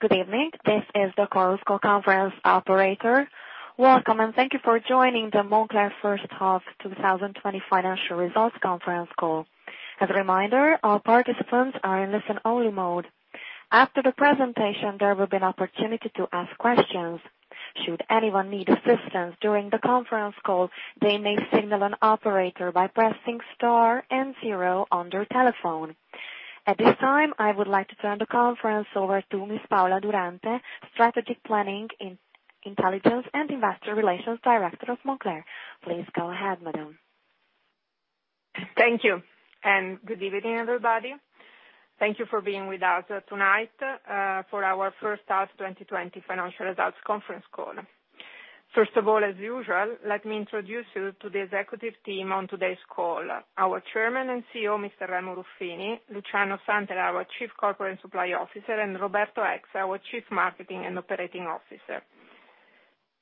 Good evening. This is the conference call conference operator. Welcome, and thank you for joining the Moncler first half 2020 financial results conference call. As a reminder, all participants are in listen-only mode. After the presentation, there will be an opportunity to ask questions. Should anyone need assistance during the conference call, they may signal an operator by pressing star and zero on their telephone. At this time, I would like to turn the conference over to Ms. Paola Durante, Strategic Planning, Intelligence, and Investor Relations Director of Moncler. Please go ahead, madam. Thank you. Good evening, everybody. Thank you for being with us tonight for our first half 2020 financial results conference call. First of all, as usual, let me introduce you to the executive team on today's call. Our Chairman and CEO, Mr. Remo Ruffini, Luciano Santel, our Chief Corporate and Supply Officer, and Roberto Eggs, our Chief Marketing and Operating Officer.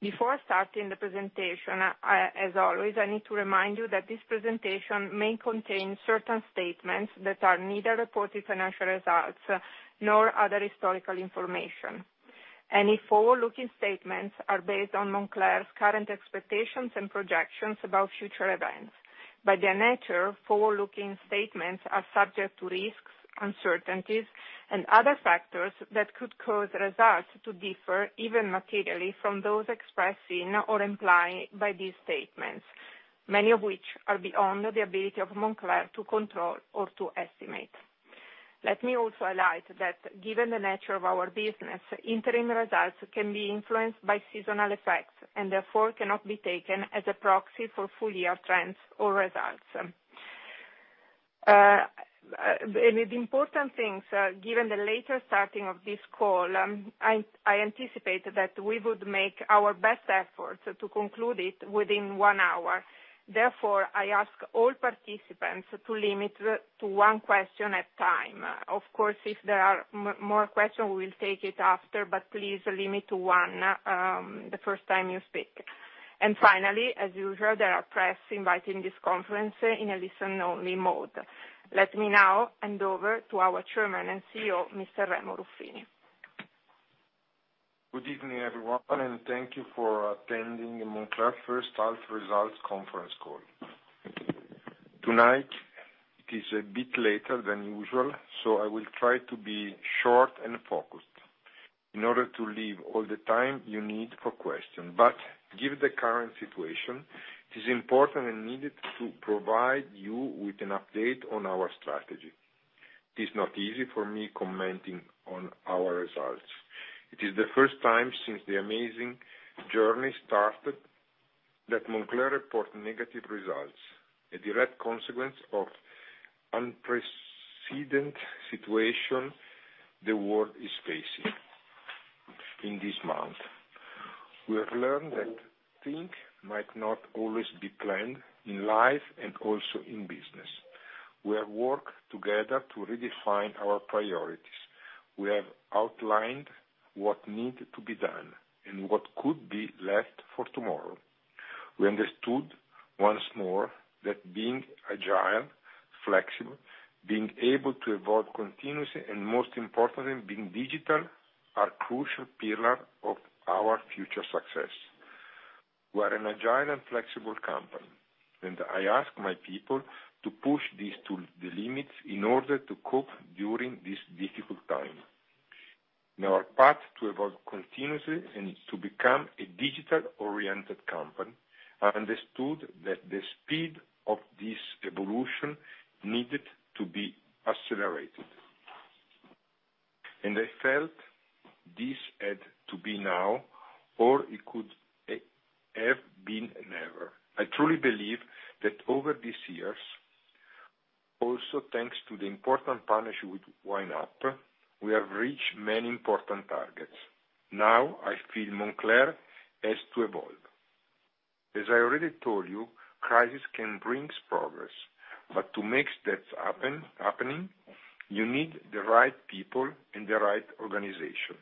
Before starting the presentation, as always, I need to remind you that this presentation may contain certain statements that are neither reported financial results nor other historical information. Any forward-looking statements are based on Moncler's current expectations and projections about future events. By their nature, forward-looking statements are subject to risks, uncertainties, and other factors that could cause results to differ even materially from those expressed in or implied by these statements. Many of which are beyond the ability of Moncler to control or to estimate. Let me also highlight that given the nature of our business, interim results can be influenced by seasonal effects, and therefore cannot be taken as a proxy for full-year trends or results. The important things, given the later starting of this call, I anticipated that we would make our best efforts to conclude it within one hour. I ask all participants to limit to one question at a time. Of course, if there are more questions, we will take it after, please limit to one the first time you speak. Finally, as usual, there are press invited in this conference in a listen-only mode. Let me now hand over to our Chairman and CEO, Mr. Remo Ruffini. Good evening, everyone, and thank you for attending Moncler first half results conference call. Tonight it is a bit later than usual, so I will try to be short and focused in order to leave all the time you need for questions, but given the current situation, it is important and needed to provide you with an update on our strategy. It is not easy for me commenting on our results. It is the first time since the amazing journey started that Moncler report negative results, a direct consequence of unprecedented situation the world is facing in this month. We have learned that things might not always be planned in life and also in business. We have worked together to redefine our priorities. We have outlined what needs to be done and what could be left for tomorrow. We understood once more that being agile, flexible, being able to evolve continuously, and most importantly, being digital, are crucial pillar of our future success. We're an agile and flexible company. I ask my people to push this to the limits in order to cope during this difficult time. In our path to evolve continuously and to become a digital-oriented company, I understood that the speed of this evolution needed to be accelerated. I felt this had to be now, or it could have been never. I truly believe that over these years, also thanks to the important partnership with YNAP, we have reached many important targets. Now, I feel Moncler has to evolve. As I already told you, crisis can bring progress. To make that happening, you need the right people and the right organization.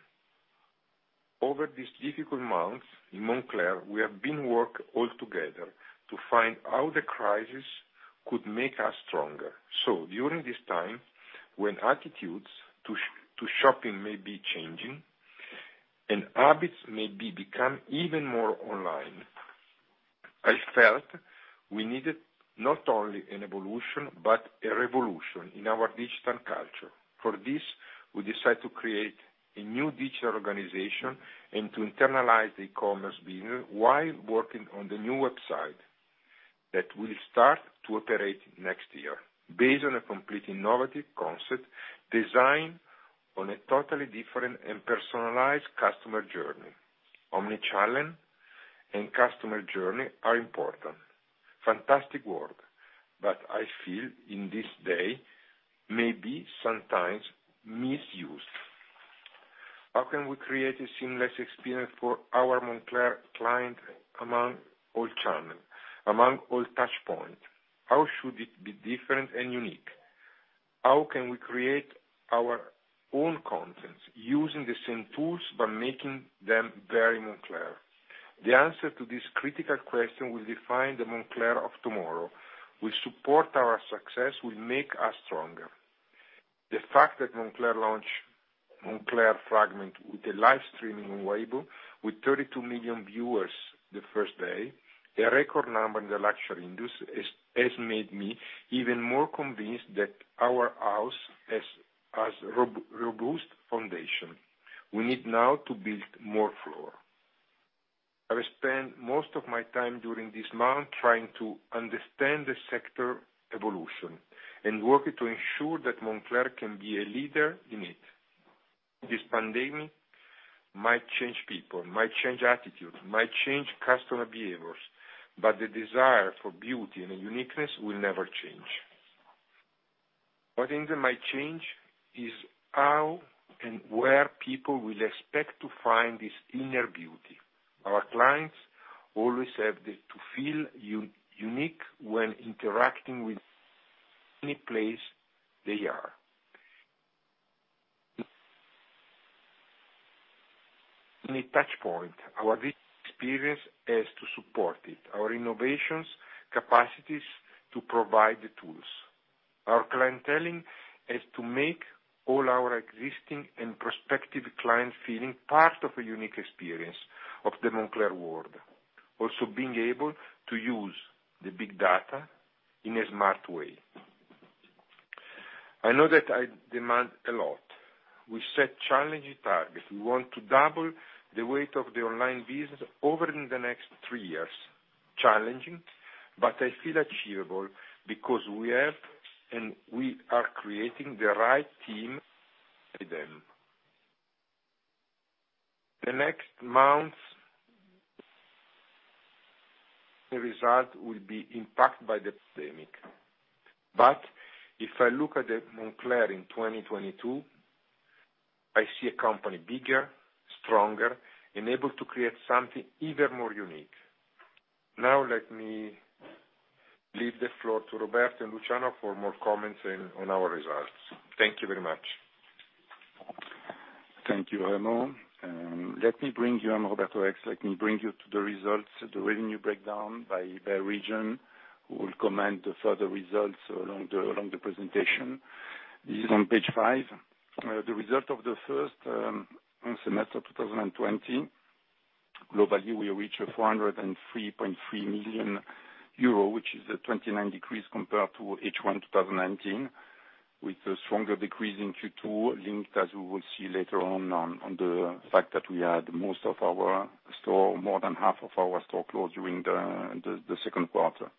Over these difficult months in Moncler, we have been work all together to find how the crisis could make us stronger. During this time, when attitudes to shopping may be changing and habits may be become even more online, I felt we needed not only an evolution, but a revolution in our digital culture. For this, we decide to create a new digital organization and to internalize the commerce business while working on the new website that will start to operate next year based on a complete innovative concept designed on a totally different and personalized customer journey. Omnichannel and customer journey are important. Fantastic work. I feel in this day may be sometimes misused. How can we create a seamless experience for our Moncler client among all channel, among all touchpoint? How should it be different and unique? How can we create our own contents using the same tools but making them very Moncler? The answer to this critical question will define the Moncler of tomorrow, will support our success, will make us stronger. The fact that Moncler launched Moncler Fragment with a live stream on Weibo with 32 million viewers the first day, a record number in the luxury industry, has made me even more convinced that our house has a robust foundation. We need now to build more floor. I will spend most of my time during this month trying to understand the sector evolution and working to ensure that Moncler can be a leader in it. This pandemic might change people, might change attitudes, might change customer behaviors, but the desire for beauty and uniqueness will never change. One thing that might change is how and where people will expect to find this inner beauty. Our clients always have to feel unique when interacting with any place they are. Any touch point, our digital experience has to support it, our innovations capacities to provide the tools. Our clienteling is to make all our existing and prospective clients feeling part of a unique experience of the Moncler world. Being able to use the big data in a smart way. I know that I demand a lot. We set challenging targets. We want to double the weight of the online business over the next three years. Challenging, I feel achievable because we have and we are creating the right team for them. The next months, the result will be impacted by the pandemic. If I look at Moncler in 2022, I see a company bigger, stronger, and able to create something even more unique. Now let me leave the floor to Roberto and Luciano for more comments on our results. Thank you very much. Thank you, Remo. I'm Roberto. Let me bring you to the results, the revenue breakdown by region. We'll comment the further results along the presentation. This is on page five. The result of the first semester 2020. Globally, we reached 403.3 million euro, which is a 29% decrease compared to H1 2019, with a stronger decrease in Q2 linked, as we will see later on the fact that we had most of our store, more than half of our store closed during the second quarter.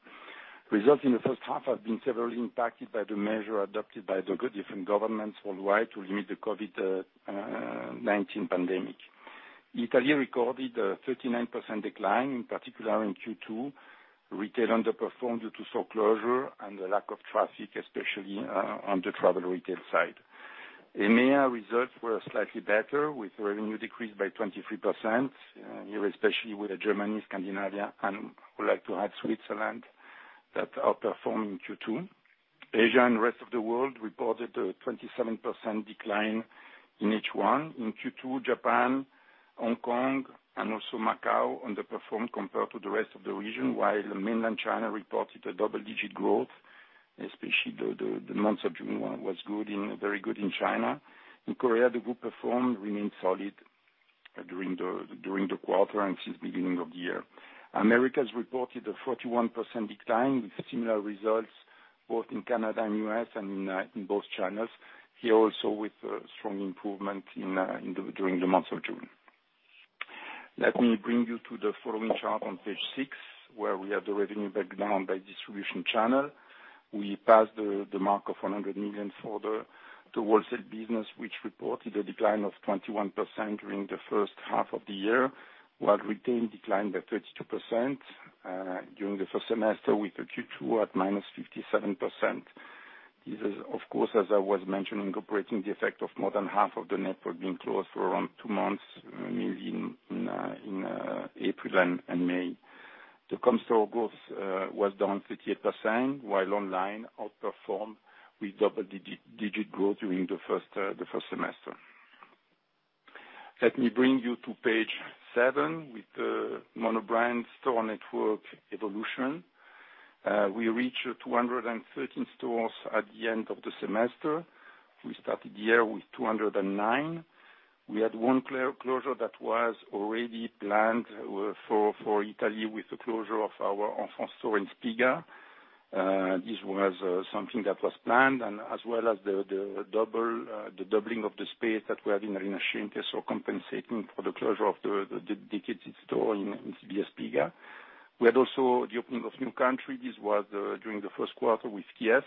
Results in the first half have been severely impacted by the measure adopted by the different governments worldwide to limit the COVID-19 pandemic. Italy recorded a 39% decline, in particular in Q2. Retail underperformed due to store closure and the lack of traffic, especially on the travel retail side. EMEA results were slightly better, with revenue decreased by 23%. Here, especially with Germany, Scandinavia, would like to add Switzerland that outperform in Q2. Asia and rest of the world reported a 27% decline in H1. In Q2, Japan, Hong Kong, and also Macau underperformed compared to the rest of the region, while mainland China reported a double-digit growth, especially the month of June was very good in China. In Korea, the group performed remained solid during the quarter and since beginning of the year. Americas reported a 41% decline with similar results both in Canada and U.S. and in both Chinas. Here also with strong improvement during the month of June. Let me bring you to the following chart on page six, where we have the revenue breakdown by distribution channel. We passed the mark of 100 million for the wholesale business, which reported a decline of 21% during the first half of the year. While retail declined by 32% during the first semester with a Q2 at -57%. This is, of course, as I was mentioning, incorporating the effect of more than half of the network being closed for around two months in April and May. The comp store growth was down 38%, while online outperformed with double-digit growth during the first semester. Let me bring you to page seven with the Monobrand store network evolution. We reached 213 stores at the end of the semester. We started the year with 209. We had one closure that was already planned for Italy with the closure of our Moncler Enfant store in Via della Spiga. This was something that was planned and as well as the doubling of the space that we have in Rinascente, so compensating for the closure of the dedicated store in Via della Spiga. We had also the opening of new country. This was during the first quarter with Kiev.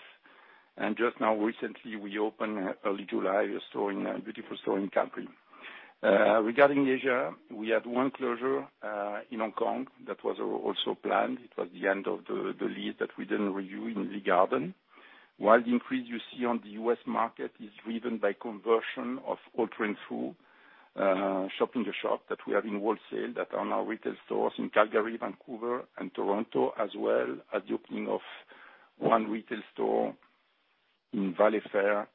Recently, we opened early July, a beautiful store in Calgary. Regarding Asia, we had one closure, in Hong Kong, that was also planned. It was the end of the lease that we didn't review in the garden. While the increase you see on the U.S. market is driven by conversion of Holt Renfrew shopping the shop that we have in wholesale that are now retail stores in Calgary, Vancouver, and Toronto, as well as the opening of one retail store in Valley Fair,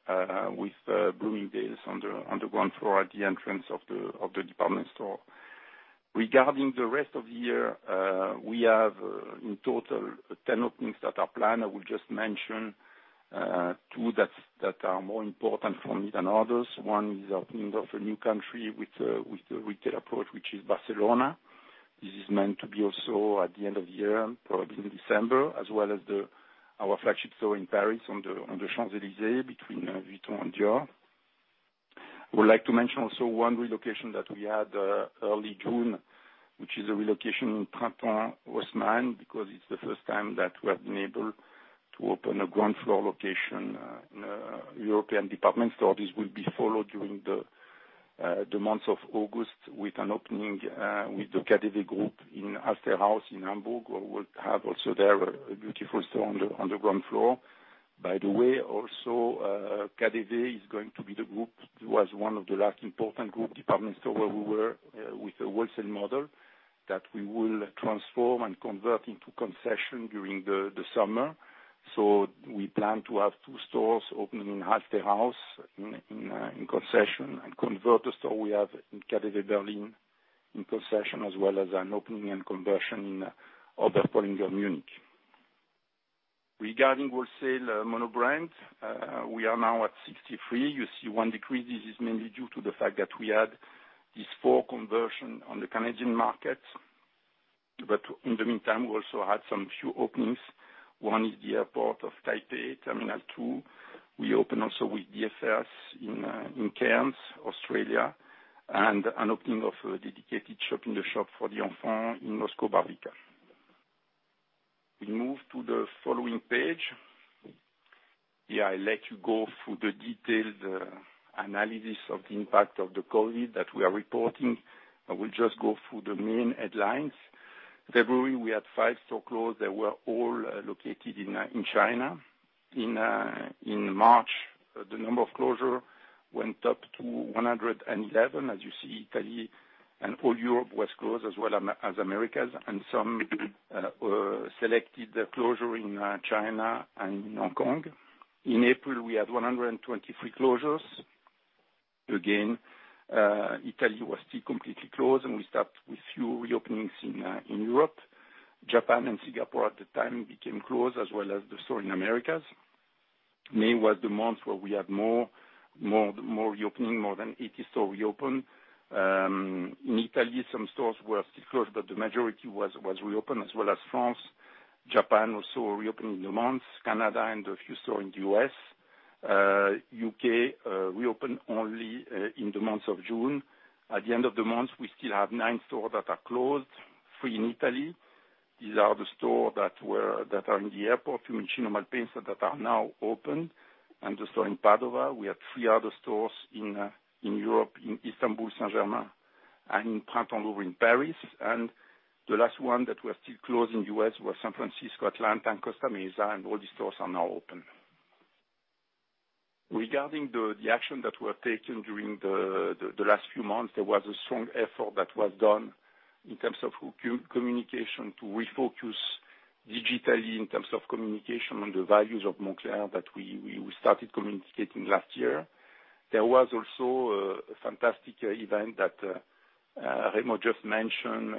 with Bloomingdale's on the ground floor at the entrance of the department store. Regarding the rest of the year, we have in total 10 openings that are planned. I will just mention two that are more important for me than others. One is the opening of a new country with the retail approach, which is Barcelona. This is meant to be also at the end of the year, probably in December, as well as our flagship store in Paris on the Champs-Élysées, between Vuitton and Dior. I would like to mention also one relocation that we had early June, which is a relocation in Printemps Haussmann, because it's the first time that we have been able to open a ground floor location in a European department store. This will be followed during the month of August with an opening with the KaDeWe Group in Alsterhaus in Hamburg. We will have also there a beautiful store on the ground floor. By the way, also, KaDeWe is going to be the group who has one of the last important group department store where we were with a wholesale model that we will transform and convert into concession during the summer. We plan to have two stores opening in Alsterhaus in concession and convert the store we have in KaDeWe Berlin in concession, as well as an opening and conversion in other in Munich. Regarding wholesale mono brand, we are now at 63. You see one decrease. This is mainly due to the fact that we had these four conversion on the Canadian market. In the meantime, we also had some few openings. One is the airport of Taipei, terminal two. We open also with DFS in Cairns, Australia, and an opening of a dedicated shop in the shop for the Enfant in Moscow Barvikha. We move to the following page. Here I let you go through the detailed analysis of the impact of the COVID-19 that we are reporting. I will just go through the main headlines. February, we had five store close. They were all located in China. In March, the number of closures went up to 111. As you see, Italy and all Europe was closed as well as Americas, and some were selected closures in China and in Hong Kong. In April, we had 123 closures. Italy was still completely closed, and we started with few reopenings in Europe. Japan and Singapore at the time became closed as well as the stores in Americas. May was the month where we had more reopenings, more than 80 stores reopened. In Italy, some stores were still closed, the majority was reopened as well as France. Japan also reopened in the month, Canada and a few stores in the U.S. U.K. reopened only in the month of June. At the end of the month, we still have nine stores that are closed, three in Italy. These are the stores that are in the airport, in Malpensa, that are now open, and the store in Padova. We have three other stores in Europe, in Istanbul, Saint-Germain, and in Printemps Louvre, in Paris. The last one that we are still closed in U.S. were San Francisco, Atlanta, and Costa Mesa, and all these stores are now open. Regarding the action that were taken during the last few months, there was a strong effort that was done in terms of communication to refocus digitally in terms of communication on the values of Moncler that we started communicating last year. There was also a fantastic event that Remo just mentioned,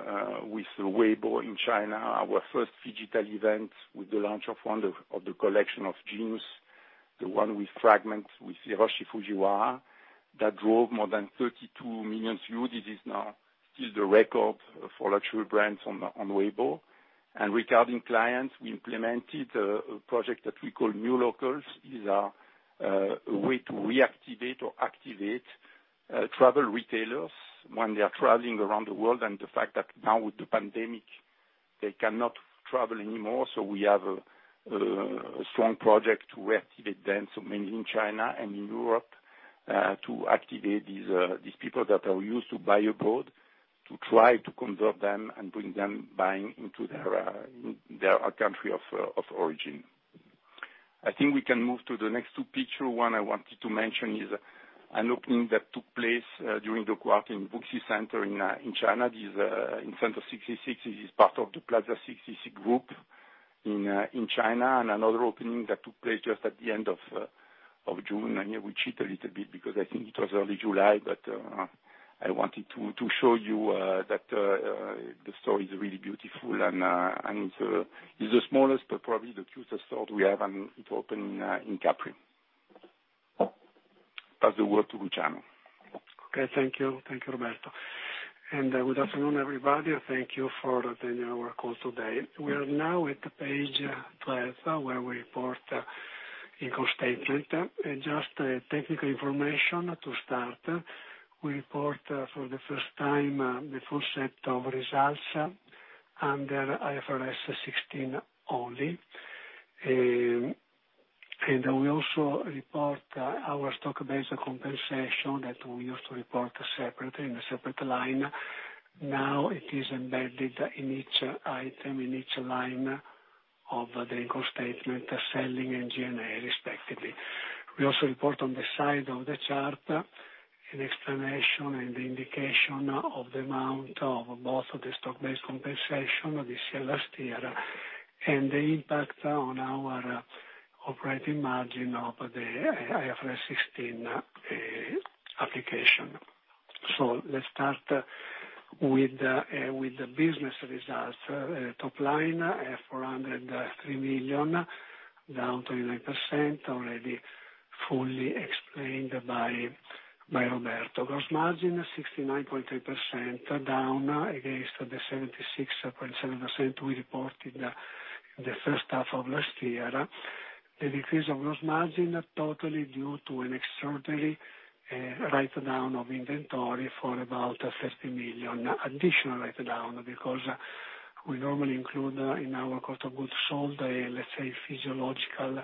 with Weibo in China, our first phygital event with the launch of one of the collection of Genius, the one with Fragment with Hiroshi Fujiwara, that drove more than 32 million views. This is now still the record for luxury brands on Weibo. Regarding clients, we implemented a project that we call New Locals. These are a way to reactivate or activate travel retailers when they are traveling around the world, and the fact that now with the pandemic, they cannot travel anymore. We have a strong project to activate them, mainly in China and in Europe, to activate these people that are used to buy abroad, to try to convert them and bring them buying into their country of origin. I think we can move to the next two pictures. One I wanted to mention is an opening that took place during the in Wuxi Center in China. This is in Center 66. This is part of the Plaza 66 Group in China. Another opening that took place just at the end of June. Here we cheat a little bit because I think it was early July, but I wanted to show you that the store is really beautiful and it's the smallest but probably the cutest store we have, and it opened in Capri. Okay. Thank you, Roberto. Good afternoon, everybody, thank you for attending our call today. We are now at the page 12, where we report income statement. Just technical information to start. We report for the first time, the full set of results under IFRS 16 only. We also report our stock-based compensation that we used to report separately in a separate line. Now it is embedded in each item, in each line of the income statement, selling and G&A, respectively. We also report on the side of the chart an explanation and the indication of the amount of both of the stock-based compensation this year, last year, and the impact on our operating margin of the IFRS 16 application. Let's start with the business results. Top line at 403 million, down 29%, already fully explained by Roberto. Gross margin 69.3%, down against the 76.7% we reported the first half of last year. The decrease of gross margin totally due to an extraordinary write-down of inventory for about 30 million. Additional write-down because we normally include in our cost of goods sold, let's say physiological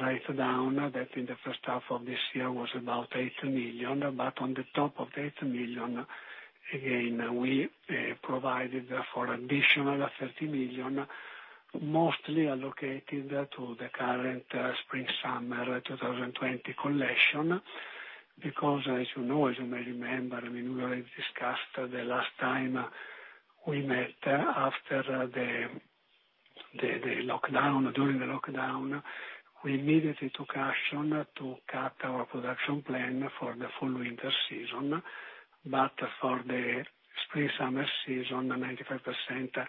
write-down that in the first half of this year was about 8 million. On the top of 8 million, again, we provided for additional 30 million, mostly allocated to the current Spring-Summer 2020 collection. As you know, as you may remember, we already discussed the last time we met after the lockdown. During the lockdown, we immediately took action to cut our production plan for the full winter season. For the Spring-Summer season, 95%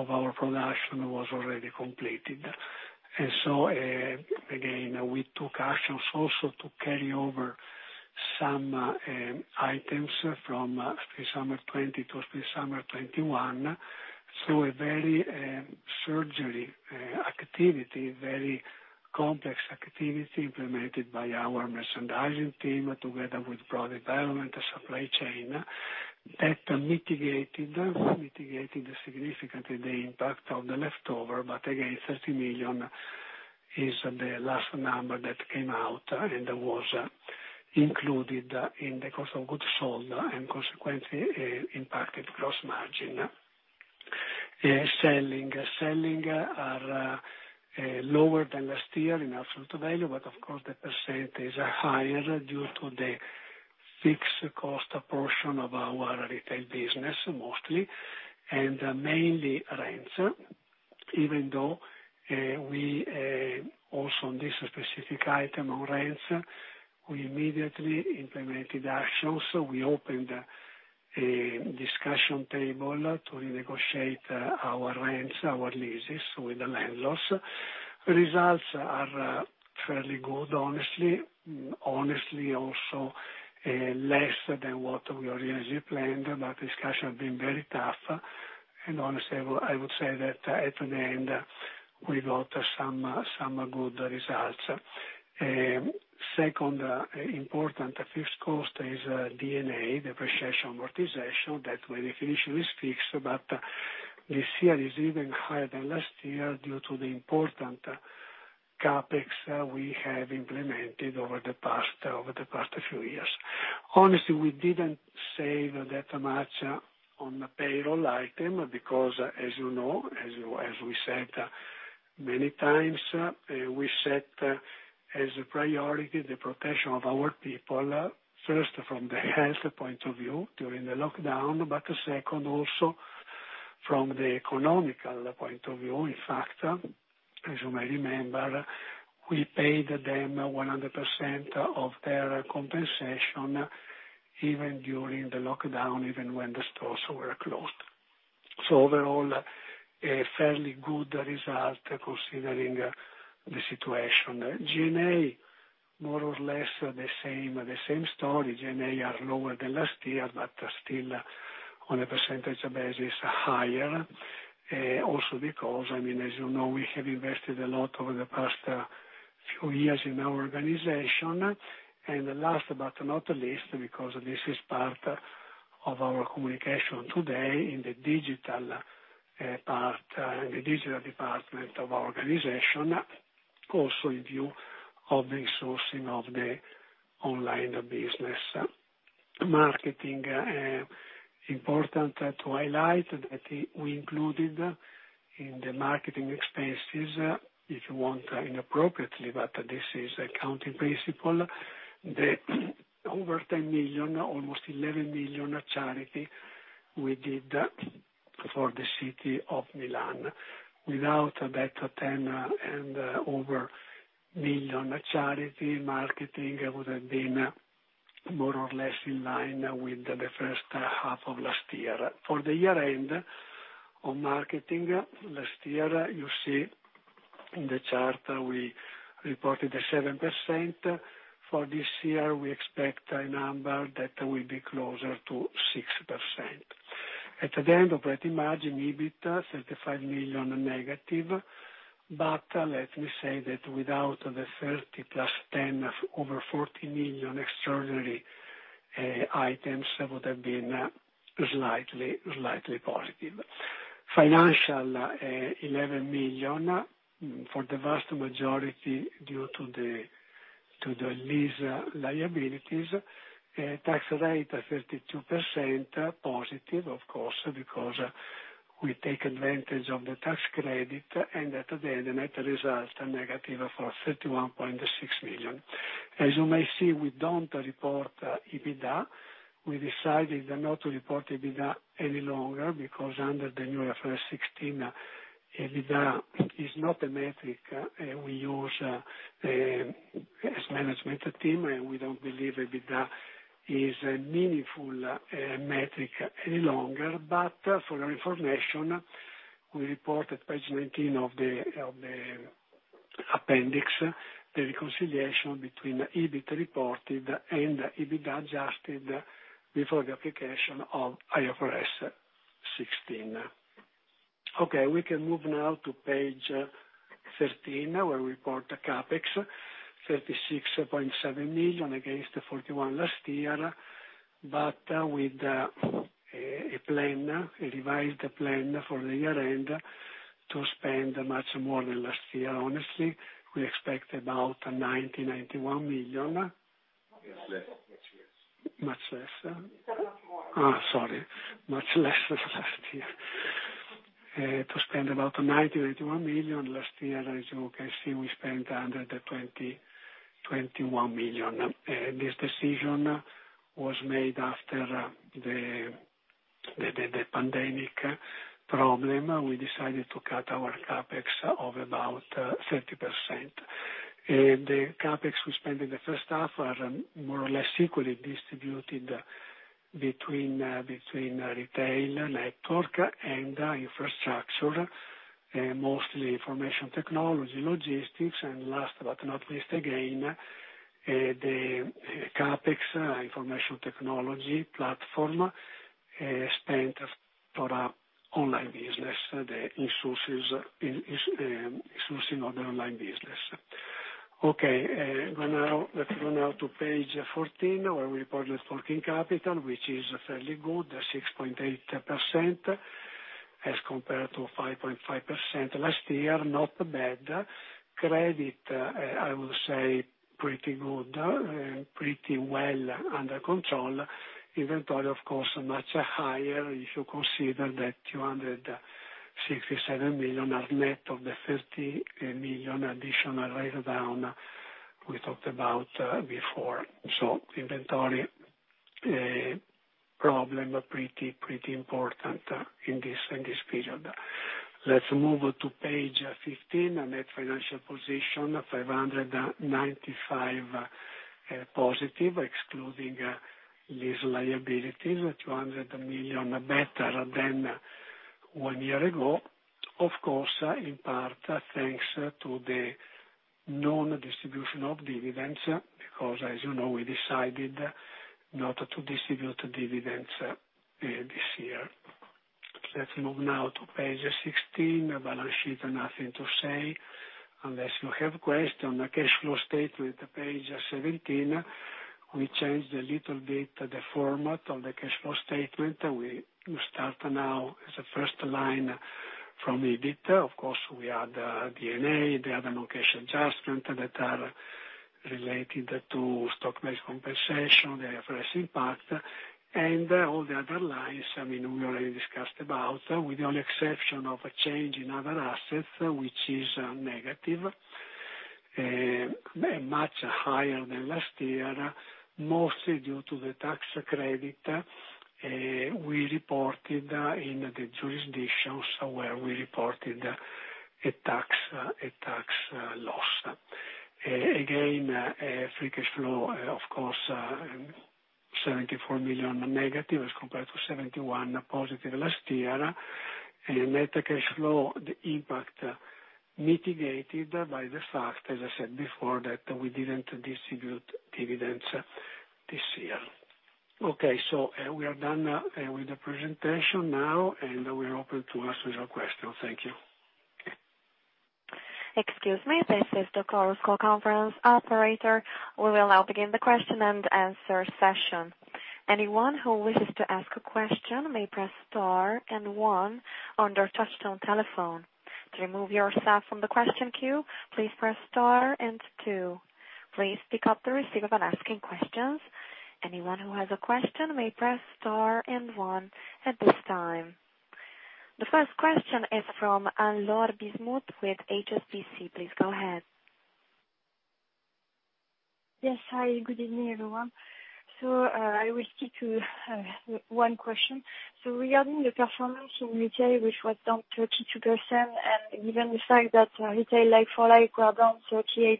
of our production was already completed. Again, we took actions also to carry over some items from Spring-Summer 2020 to Spring-Summer 2021. A very synergy activity, very complex activity implemented by our merchandising team together with product development and supply chain that mitigated significantly the impact of the leftover. Again, 30 million is the last number that came out and was included in the cost of goods sold and consequently impacted gross margin. Selling are lower than last year in absolute value, but of course the percentage is higher due to the fixed cost portion of our retail business mostly, and mainly rents. Even though we also on this specific item on rents, we immediately implemented actions. We opened a discussion table to renegotiate our rents, our leases with the landlords. Results are fairly good, honestly. Honestly, also less than what we originally planned, but discussion have been very tough. Honestly, I would say that at the end, we got some good results. Second important fixed cost is D&A, depreciation amortization, that by definition is fixed. This year is even higher than last year due to the important CapEx we have implemented over the past few years. Honestly, we didn't save that much on the payroll item because as you know, as we said many times, we set as a priority the protection of our people, first from the health point of view during the lockdown, but second, also from the economical point of view. In fact, as you may remember, we paid them 100% of their compensation even during the lockdown, even when the stores were closed. Overall, a fairly good result considering the situation. G&A, more or less the same story. G&A are lower than last year, still on a percentage basis, higher. Because, as you know, we have invested a lot over the past few years in our organization. Last but not least, because this is part of our communication today in the digital department of our organization, also in view of the sourcing of the online business. Marketing, important to highlight that we included in the marketing expenses, if you want inappropriately, but this is accounting principle, the over 10 million, almost 11 million charity we did for the city of Milan. Without that EUR 10 million and over charity, marketing would have been more or less in line with H1 2019. For the year end on marketing, last year, you see in the chart we reported 7%. For this year, we expect a number that will be closer to 6%. Operating margin, EBIT 35 million negative. Let me say that without the 30+ 10, over 40 million extraordinary items would have been slightly positive. Financial, 11 million for the vast majority due to the lease liabilities. Tax rate, 32% positive, of course, because we take advantage of the tax credit, and at the end, the net results are negative for 31.6 million. As you may see, we don't report EBITDA. We decided not to report EBITDA any longer because under the new IFRS 16, EBITDA is not a metric we use as management team. We don't believe EBITDA is a meaningful metric any longer. For your information, we reported page 19 of the appendix, the reconciliation between EBIT reported and EBITDA adjusted before the application of IFRS 16. Okay, we can move now to page 13, where we report the CapEx, 36.7 million against 41 million last year. With a revised plan for the year-end to spend much more than last year. Honestly, we expect about 90 million, 91 million. Much less. Much less? You said much more. Sorry, much less than last year. To spend about 90 million, 91 million. Last year, as you can see, we spent 121 million. This decision was made after the pandemic problem. We decided to cut our CapEx of about 30%. The CapEx we spent in the first half are more or less equally distributed between retail network and infrastructure, mostly information technology, logistics, and last but not least again, the CapEx information technology platform spent for our online business, the sources of the online business. Okay. Let's go now to page 14, where we report the working capital, which is fairly good, 6.8%, as compared to 5.5% last year. Not bad. Credit, I would say pretty good and pretty well under control. Inventory, of course, much higher if you consider that 267 million are net of the 50 million additional write-down we talked about before. Inventory problem pretty important in this period. Let's move to page 15, net financial position, 595 million positive, excluding lease liabilities, 200 million better than one year ago. Of course, in part, thanks to the non-distribution of dividends, because, as you know, we decided not to distribute dividends this year. Let's move now to page 16, balance sheet. Nothing to say unless you have questions. Cash flow statement, page 17. We changed a little bit the format of the cash flow statement. We start now as a first line from the EBIT. We add D&A, the other location adjustment that are related to stock-based compensation, the IFRS impact, and all the other lines, we already discussed about, with the only exception of a change in other assets, which is negative. Much higher than last year, mostly due to the tax credit we reported in the jurisdictions where we reported a tax loss. Free cash flow, 74 million negative as compared to 71 million positive last year. Net cash flow, the impact mitigated by the fact, as I said before, that we didn't distribute dividends this year. We are done with the presentation now, and we are open to answer your questions. Thank you. Excuse me, this is the chorus call conference operator. We will now begin the question-and-answer session. Anyone who wishes to ask a question may press star and one on their touchtone telephone. To remove yourself from the question queue, please press star and two. Please pick up the receiver when asking questions. Anyone who has a question may press star and one at this time. The first question is from Anne-Laure Bismuth with HSBC. Please go ahead. Yes. Hi, good evening, everyone. I will stick to one question. Regarding the performance in retail, which was down 32%, and given the fact that retail like for like were down 38%,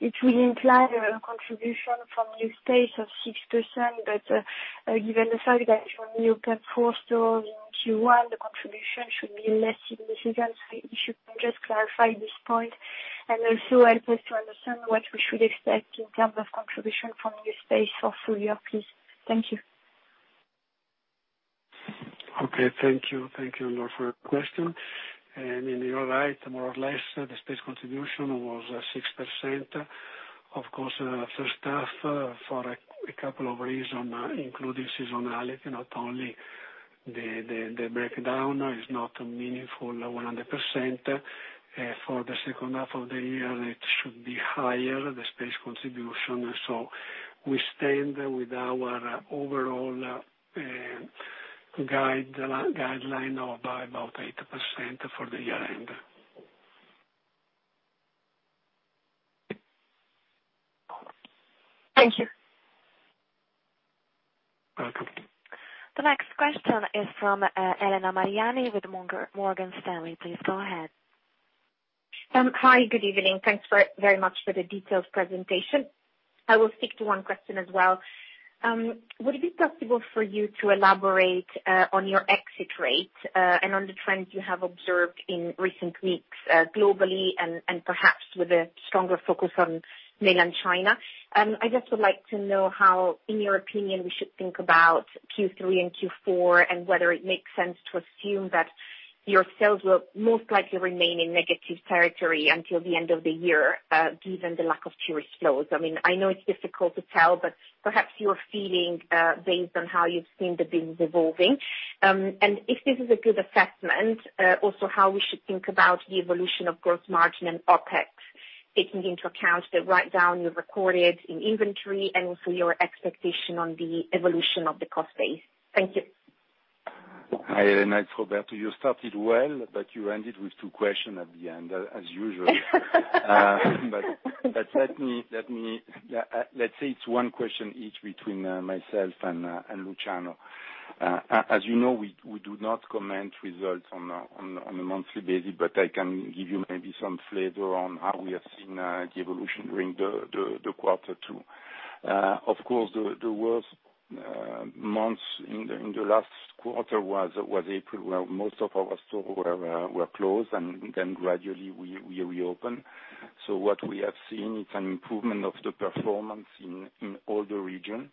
it will imply a contribution from new space of 6%. Given the fact that when you open four stores in Q1, the contribution should be less than this. If you can just clarify this point and also help us to understand what we should expect in terms of contribution from new space for full year, please. Thank you. Okay, thank you. Thank you, Anne-Laure, for your question. You're right, more or less, the space contribution was 6%. Of course, first half for a couple of reasons, including seasonality, not only the breakdown is not a meaningful 100%. For the second half of the year, it should be higher, the space contribution. We stand with our overall guideline of about 8% for the year end. Thank you. Welcome. The next question is from Elena Mariani with Morgan Stanley. Please go ahead. Hi. Good evening. Thanks very much for the detailed presentation. I will stick to one question as well. Would it be possible for you to elaborate on your exit rate and on the trends you have observed in recent weeks globally and perhaps with a stronger focus on Mainland China? I just would like to know how, in your opinion, we should think about Q3 and Q4, and whether it makes sense to assume that your sales will most likely remain in negative territory until the end of the year given the lack of tourist flows. I know it's difficult to tell, but perhaps your feeling based on how you've seen the business evolving. If this is a good assessment, also how we should think about the evolution of gross margin and OpEx, taking into account the write-down you recorded in inventory and also your expectation on the evolution of the cost base. Thank you. Hi, Elena. It's Roberto. You started well, but you ended with two questions at the end, as usual. Let's say it's one question each between myself and Luciano. As you know, we do not comment results on a monthly basis, but I can give you maybe some flavor on how we have seen the evolution during the quarter two. Of course, the worst months in the last quarter was April, where most of our stores were closed, and then gradually we reopen. What we have seen, it's an improvement of the performance in all the region.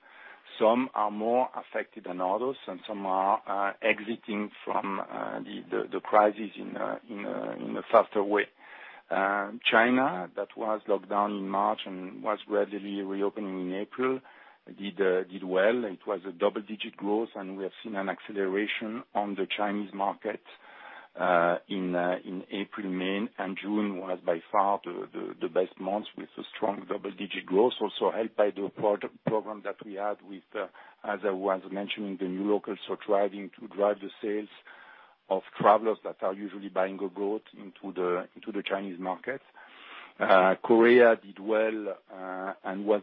Some are more affected than others, and some are exiting from the crisis in a faster way. China, that was locked down in March and was gradually reopening in April, did well. It was a double-digit growth, and we have seen an acceleration on the Chinese market in April. May and June was by far the best months with a strong double-digit growth, also helped by the program that we had with, as I was mentioning, the New Locals driving to drive the sales of travelers that are usually buying our goods into the Chinese market. Korea did well and was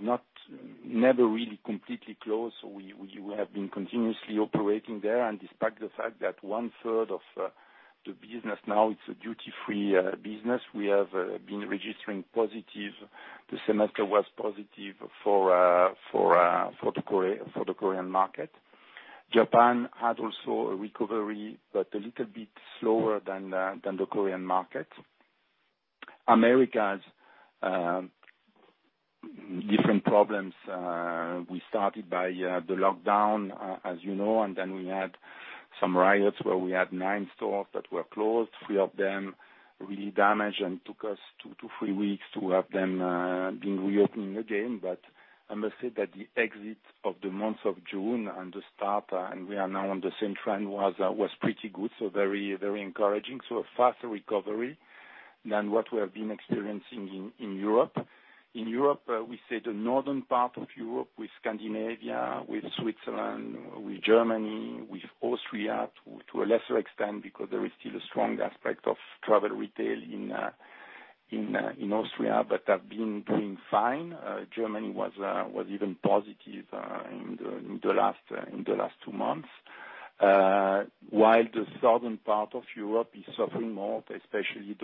never really completely closed, so we have been continuously operating there. Despite the fact that one-third of the business now it's a duty-free business, we have been registering positive. The semester was positive for the Korean market. Japan had also a recovery, but a little bit slower than the Korean market. Americas, different problems. We started by the lockdown, as you know, and then we had some riots where we had nine stores that were closed, three of them really damaged and took us two to three weeks to have them being reopened again. I must say that the exit of the month of June and the start, and we are now on the same trend, was pretty good, so very encouraging. A faster recovery than what we have been experiencing in Europe. In Europe, we say the northern part of Europe with Scandinavia, with Switzerland, with Germany, with Austria to a lesser extent because there is still a strong aspect of travel retail in Austria, but have been doing fine. Germany was even positive in the last two months. While the southern part of Europe is suffering more, especially,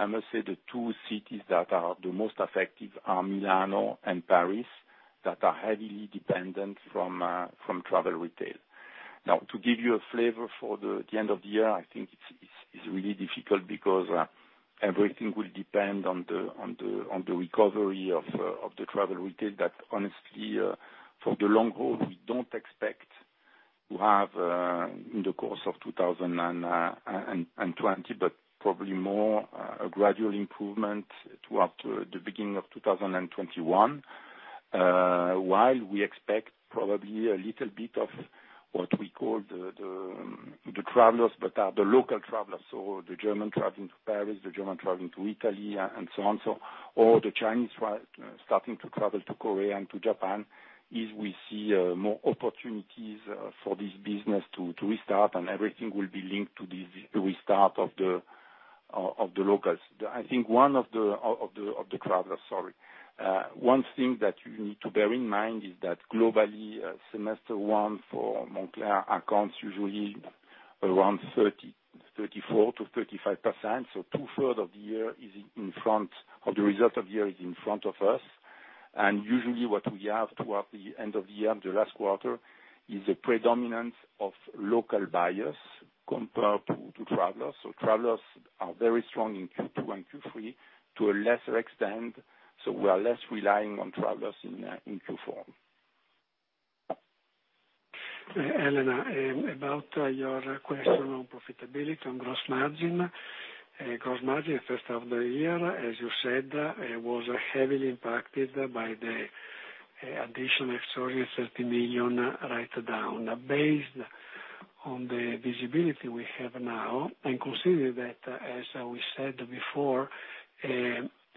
I must say the two cities that are the most affected are Milano and Paris, that are heavily dependent from travel retail. To give you a flavor for the end of the year, I think it's really difficult because everything will depend on the recovery of the travel retail that honestly, for the long haul, we don't expect to have in the course of 2020, but probably more a gradual improvement toward the beginning of 2021. While we expect probably a little bit of what we call the travelers but are the local travelers, the German traveling to Paris, the German traveling to Italy, and so on, or the Chinese starting to travel to Korea and to Japan, is we see more opportunities for this business to restart, and everything will be linked to the restart of the locals. travelers, sorry. One thing that you need to bear in mind is that globally, semester one for Moncler accounts usually around 34%-35%. 2/3 of the year is in front, or the result of the year is in front of us. Usually what we have towards the end of the year, the last quarter, is a predominance of local buyers compared to travelers. Travelers are very strong in Q2 and Q3 to a lesser extent, so we are less relying on travelers in Q4. Elena, about your question on profitability, on gross margin. Gross margin first half of the year, as you said, was heavily impacted by the additional extraordinary 30 million write-down based on the visibility we have now, and considering that, as we said before,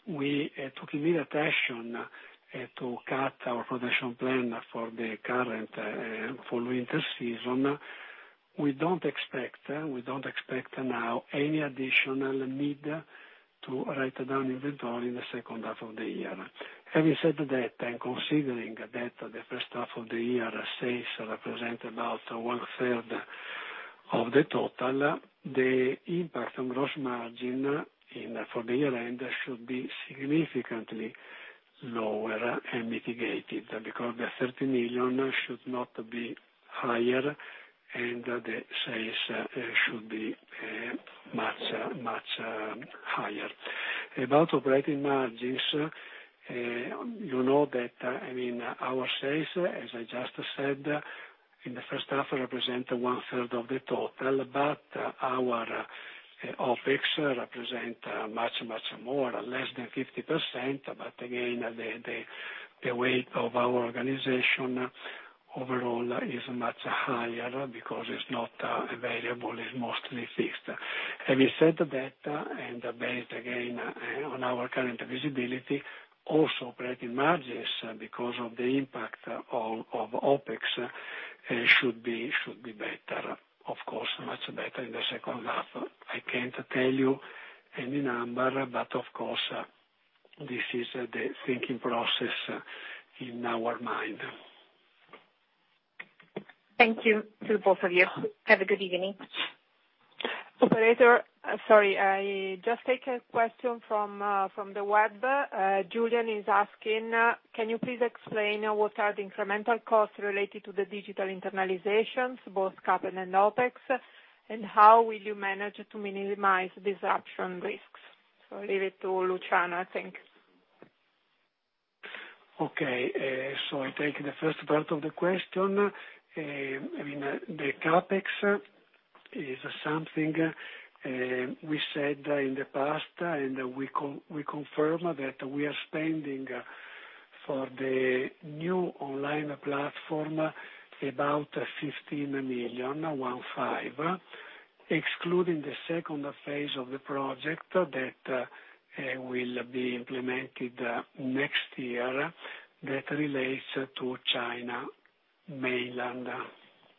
we took immediate action to cut our production plan for the current full winter season. We don't expect now any additional need to write down inventory in second half of the year. Having said that, and considering that H1 sales represent about one third of the total, the impact on gross margin for the year end should be significantly lower and mitigated, because the 30 million should not be higher, and the sales should be much higher. About operating margins, you know that our sales, as I just said, in the first half represent one third of the total, Our OpEx represent much more, less than 50%, Again, the weight of our organization overall is much higher, because it's not variable, it's mostly fixed. Having said that, and based again on our current visibility, also operating margins, because of the impact of OpEx, should be better. Of course, much better in the second half. I can't tell you any number. Of course, this is the thinking process in our mind. Thank you to both of you. Have a good evening. Operator. Sorry, I just take a question from the web. Julian is asking, "Can you please explain what are the incremental costs related to the digital internalizations, both CapEx and OpEx, and how will you manage to minimize disruption risks?" I leave it to Luciano, I think. Okay. I take the first part of the question. The CapEx is something we said in the past, and we confirm that we are spending for the new online platform about 15 million, one five, excluding the second phase of the project that will be implemented next year, that relates to China Mainland.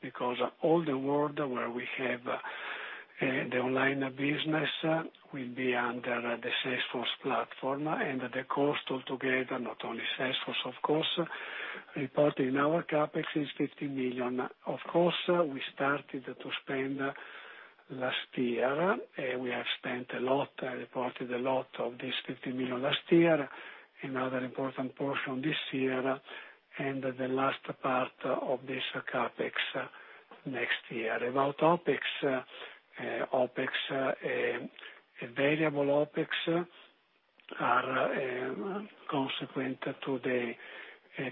Because all the world where we have the online business will be under the Salesforce platform, and the cost altogether, not only Salesforce, of course, reported in our CapEx is 15 million. Of course, we started to spend last year, and we have spent a lot and reported a lot of this 15 million last year, another important portion this year, and the last part of this CapEx next year. About OpEx. Variable OpEx are consequent to the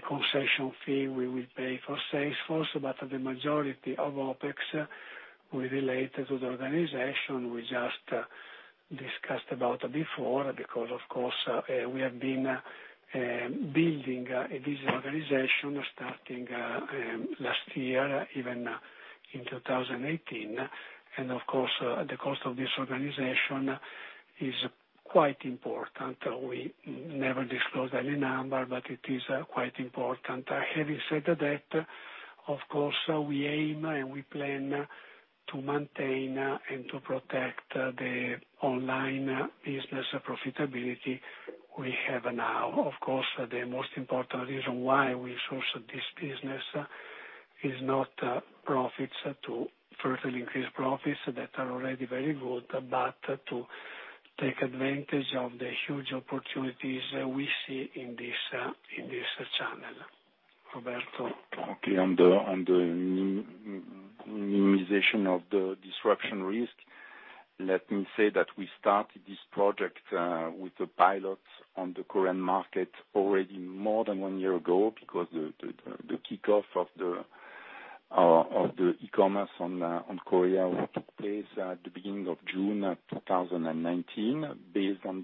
concession fee we will pay for Salesforce, but the majority of OpEx will relate to the organization we just discussed about before, because, of course, we have been building this organization starting last year, even in 2018. Of course, the cost of this organization is quite important. We never disclose any number, but it is quite important. Having said that, of course, we aim and we plan to maintain and to protect the online business profitability we have now. Of course, the most important reason why we source this business is not profits, to further increase profits that are already very good, but to take advantage of the huge opportunities we see in this channel. Roberto. Okay. On the minimization of the disruption risk, let me say that we started this project with the pilots on the Korean market already more than one year ago, because the kickoff of the e-commerce on Korea took place at the beginning of June 2019, based on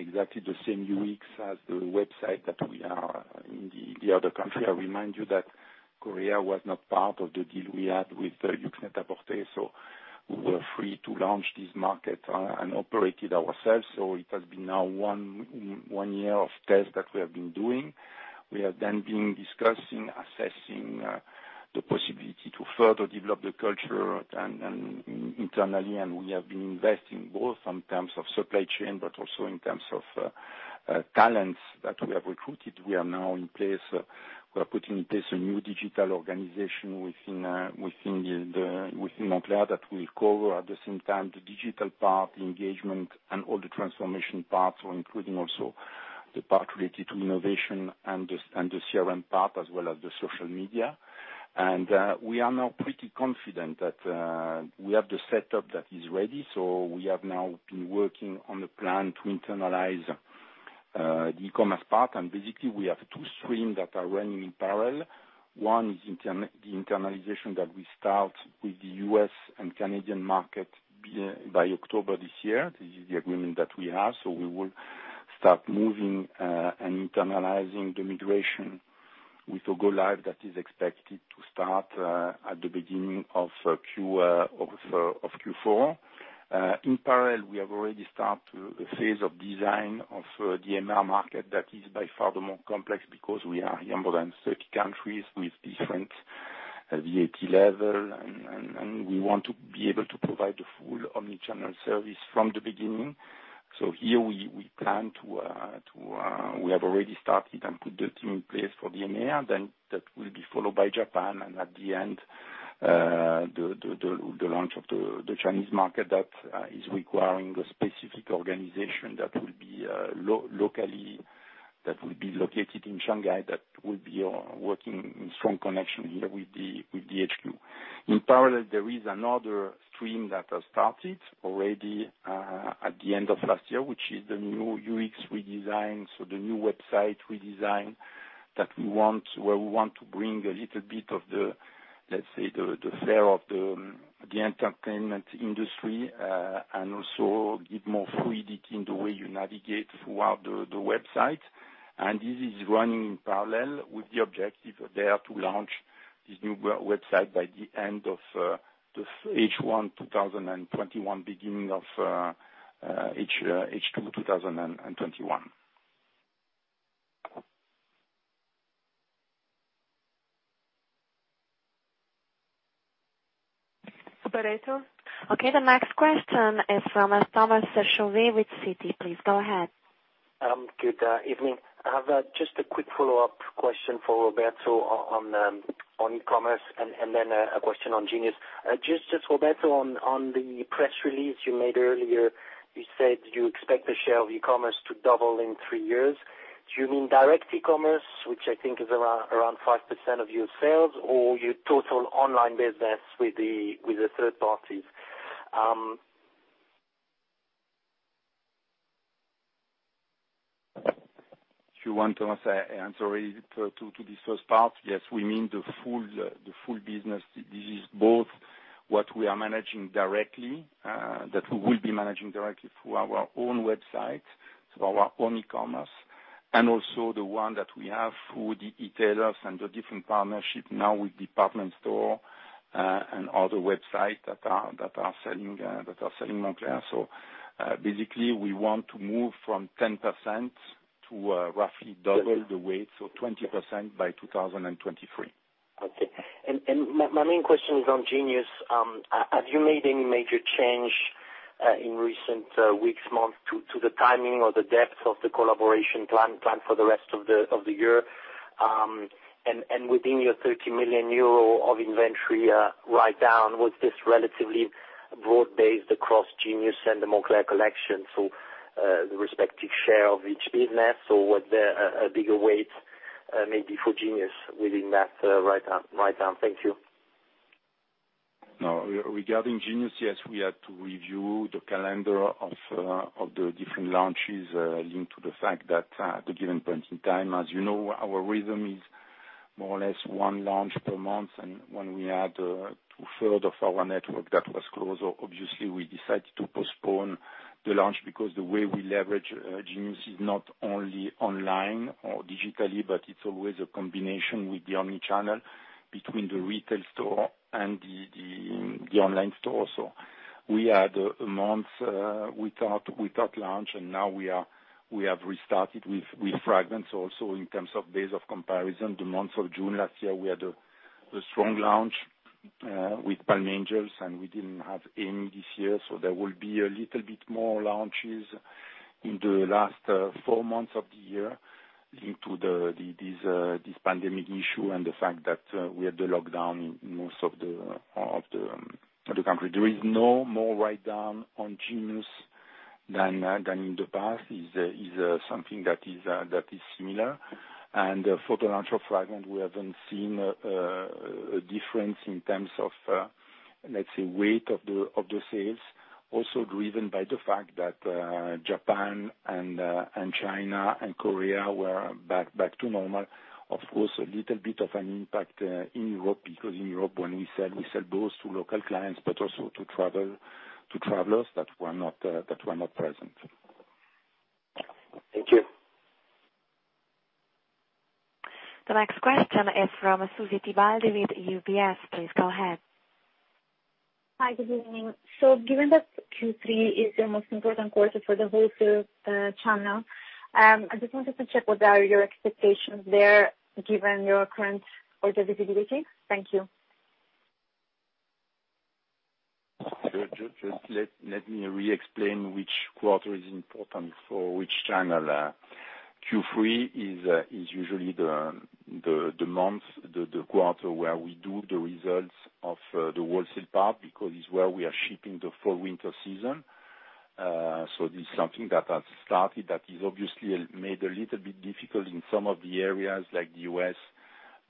exactly the same UX as the website that we are in the other country. I remind you that Korea was not part of the deal we had with YOOX Net-a-Porter, we were free to launch this market and operate it ourselves. It has been now one year of tests that we have been doing. We have then been discussing, assessing the possibility to further develop the culture internally, and we have been investing both in terms of supply chain, but also in terms of talents that we have recruited. We are now in place. We are putting in place a new digital organization within Moncler that will cover at the same time the digital part, the engagement, and all the transformation parts. We're including also the part related to innovation and the CRM part, as well as the social media. We are now pretty confident that we have the setup that is ready. We have now been working on the plan to internalize the e-commerce part, and basically we have two streams that are running in parallel. One is the internalization that we start with the U.S. and Canadian market by October this year. This is the agreement that we have. We will start moving, and internalizing the migration with a go-live that is expected to start at the beginning of Q4. We have already started the phase of design of the EMEA market that is by far the more complex because we are in more than 30 countries with different VAT level. We want to be able to provide the full omni-channel service from the beginning. Here we have already started and put the team in place for the EMEA, then that will be followed by Japan and at the end, the launch of the Chinese market that is requiring a specific organization that will be located in Shanghai, that will be working in strong connection here with the HQ. There is another stream that has started already, at the end of last year, which is the new UX redesign. The new website redesign where we want to bring a little bit of the, let's say the flair of the entertainment industry, and also give more fluidity in the way you navigate throughout the website. This is running in parallel with the objective there to launch this new website by the end of H1 2021, beginning of H2 2021. Operator. Okay. The next question is from Thomas Chauvet with Citi. Please go ahead. Good evening. I have just a quick follow-up question for Roberto on e-commerce and then a question on Genius. Just, Roberto, on the press release you made earlier, you said you expect the share of e-commerce to double in three years. Do you mean direct e-commerce, which I think is around 5% of your sales or your total online business with the third parties? Sure, Thomas, answer to this first part, yes, we mean the full business. This is both what we are managing directly, that we will be managing directly through our own website, so our own e-commerce. Also the one that we have through the e-tailers and the different partnership now with department store, and other websites that are selling Moncler. Basically, we want to move from 10% to roughly double the weight, so 20% by 2023. Okay. My main question is on Genius. Have you made any major change, in recent weeks, months to the timing or the depth of the collaboration plan for the rest of the year? Within your 30 million euro of inventory write-down, was this relatively broad-based across Genius and the Moncler collection? The respective share of each business or was there a bigger weight, maybe for Genius within that write-down? Thank you. No. Regarding Genius, yes, we had to review the calendar of the different launches, linked to the fact that, at the given point in time, as you know, our rhythm is more or less one launch per month. When we had two-thirds of our network that was closed, obviously we decided to postpone the launch because the way we leverage Genius is not only online or digitally, but it is always a combination with the omni-channel between the retail store and the online store. We had a month without launch, and now we have restarted with Fragment also in terms of days of comparison. The month of June last year, we had a strong launch with Palm Angels, and we didn't have any this year. There will be a little bit more launches in the last four months of the year linked to this pandemic issue and the fact that we had the lockdown in most of the country. There is no more write-down on Genius than in the past, is something that is similar. For the launch of Fragment, we haven't seen a difference in terms of, let's say, weight of the sales. Also driven by the fact that Japan and China and Korea were back to normal. Of course, a little bit of an impact in Europe because in Europe when we sell, we sell both to local clients but also to travelers that were not present. Thank you. The next question is from Susy Tibaldi with UBS. Please go ahead. Hi, good evening. Given that Q3 is your most important quarter for the wholesale channel, I just wanted to check what are your expectations there given your current order visibility. Thank you. Just let me re-explain which quarter is important for which channel. Q3 is usually the month, the quarter where we do the results of the wholesale part because it's where we are shipping the full winter season. This is something that has started, that is obviously made a little bit difficult in some of the areas like the U.S.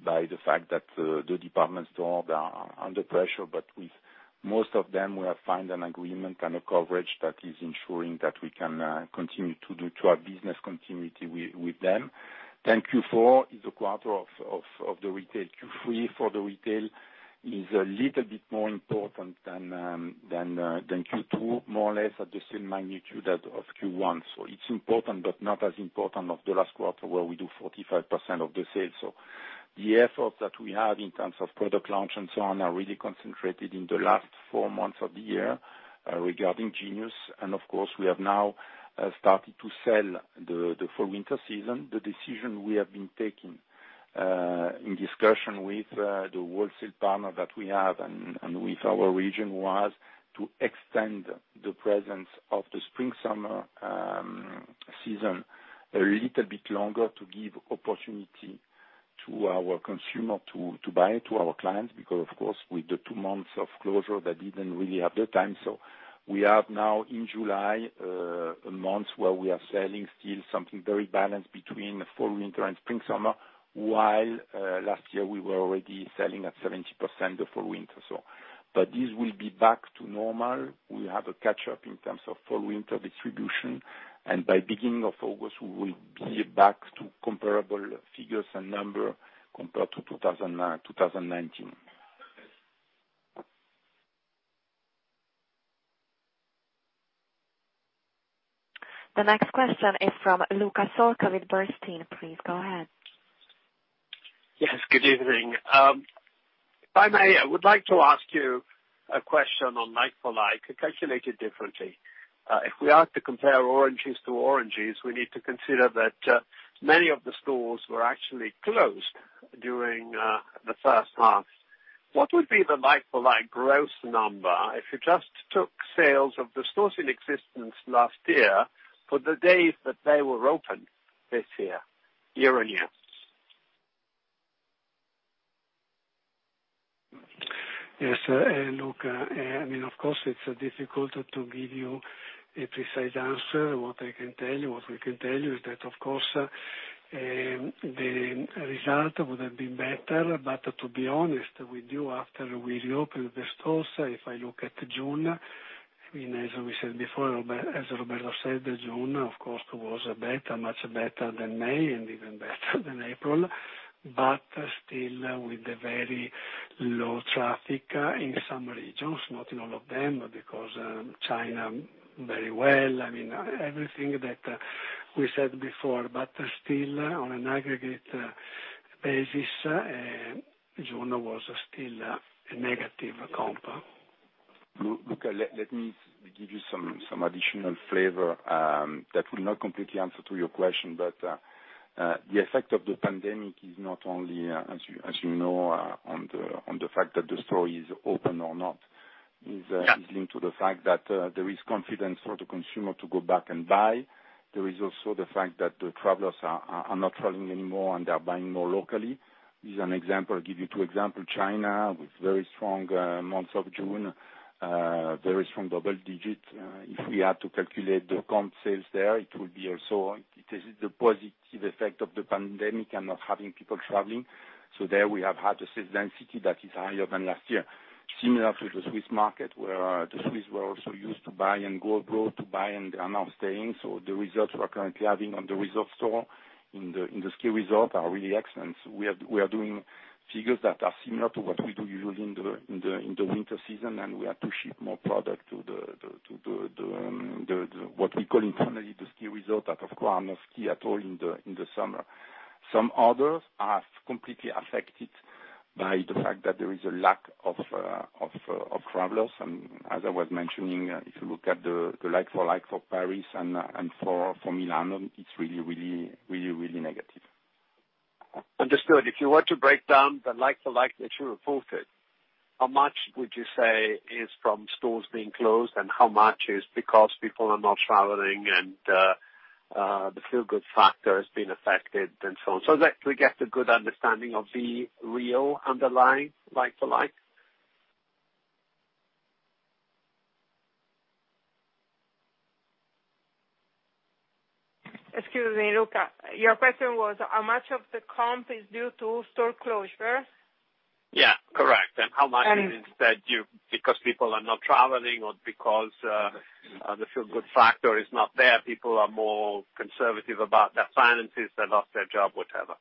by the fact that the department store are under pressure. With most of them, we have found an agreement and a coverage that is ensuring that we can continue to do to our business continuity with them. Q4 is the quarter of the retail. Q3 for the retail is a little bit more important than Q2, more or less at the same magnitude as of Q1. It's important, but not as important as the last quarter where we do 45% of the sales. The efforts that we have in terms of product launch and so on, are really concentrated in the last 4 months of the year regarding Genius, and of course we have now started to sell the Fall/Winter season. The decision we have been taking in discussion with the wholesale partner that we have and with our region, was to extend the presence of the Spring/Summer season a little bit longer to give opportunity to our consumer to buy to our clients, because of course, with the two months of closure, they didn't really have the time. We have now in July, a month where we are selling still something very balanced between Fall/Winter and Spring/Summer, while last year we were already selling at 70% of Fall/Winter. This will be back to normal. We have a catch-up in terms of Fall/Winter distribution, and by beginning of August, we will be back to comparable figures and number compared to 2019. The next question is from Luca Solca with Bernstein. Please go ahead. Yes, good evening. If I may, I would like to ask you a question on like-for-like calculated differently. If we are to compare oranges to oranges, we need to consider that many of the stores were actually closed during the first half. What would be the like-for-like gross number if you just took sales of the stores in existence last year for the days that they were open this year on year? Yes, Luca. Of course, it's difficult to give you a precise answer. What we can tell you is that, of course, the result would have been better, but to be honest, we do after we reopen the stores, if I look at June, as Roberto said, June, of course, was much better than May and even better than April, but still with the very low traffic in some regions, not in all of them, because China very well. Everything that we said before, still on an aggregate basis, June was still a negative comp. Luca, let me give you some additional flavor that will not completely answer to your question. The effect of the pandemic is not only, as you know, on the fact that the store is open or not, is linked to the fact that there is confidence for the consumer to go back and buy. There is also the fact that the travelers are not traveling anymore. They are buying more locally. I'll give you two example. China with very strong month of June, very strong double digit. If we had to calculate the comp sales there, it is the positive effect of the pandemic and not having people traveling. There we have had a sales density that is higher than last year. Similar to the Swiss market, where the Swiss were also used to buy and go abroad to buy. They are now staying. The results we're currently having on the resort store in the ski resort are really excellent. We are doing figures that are similar to what we do usually in the winter season, and we had to ship more product to the, what we call internally the ski resort that of course have no ski at all in the summer. Some others are completely affected by the fact that there is a lack of travelers. As I was mentioning, if you look at the like-for-like for Paris and for Milano, it's really negative. Understood. If you were to break down the like-for-like that you reported, how much would you say is from stores being closed and how much is because people are not traveling and the feel-good factor has been affected and so on, so that we get a good understanding of the real underlying like-for-like? Excuse me, Luca. Your question was how much of the comp is due to store closure? Yeah. Correct. How much is instead due because people are not traveling or because the feel-good factor is not there, people are more conservative about their finances, they lost their job, whatever?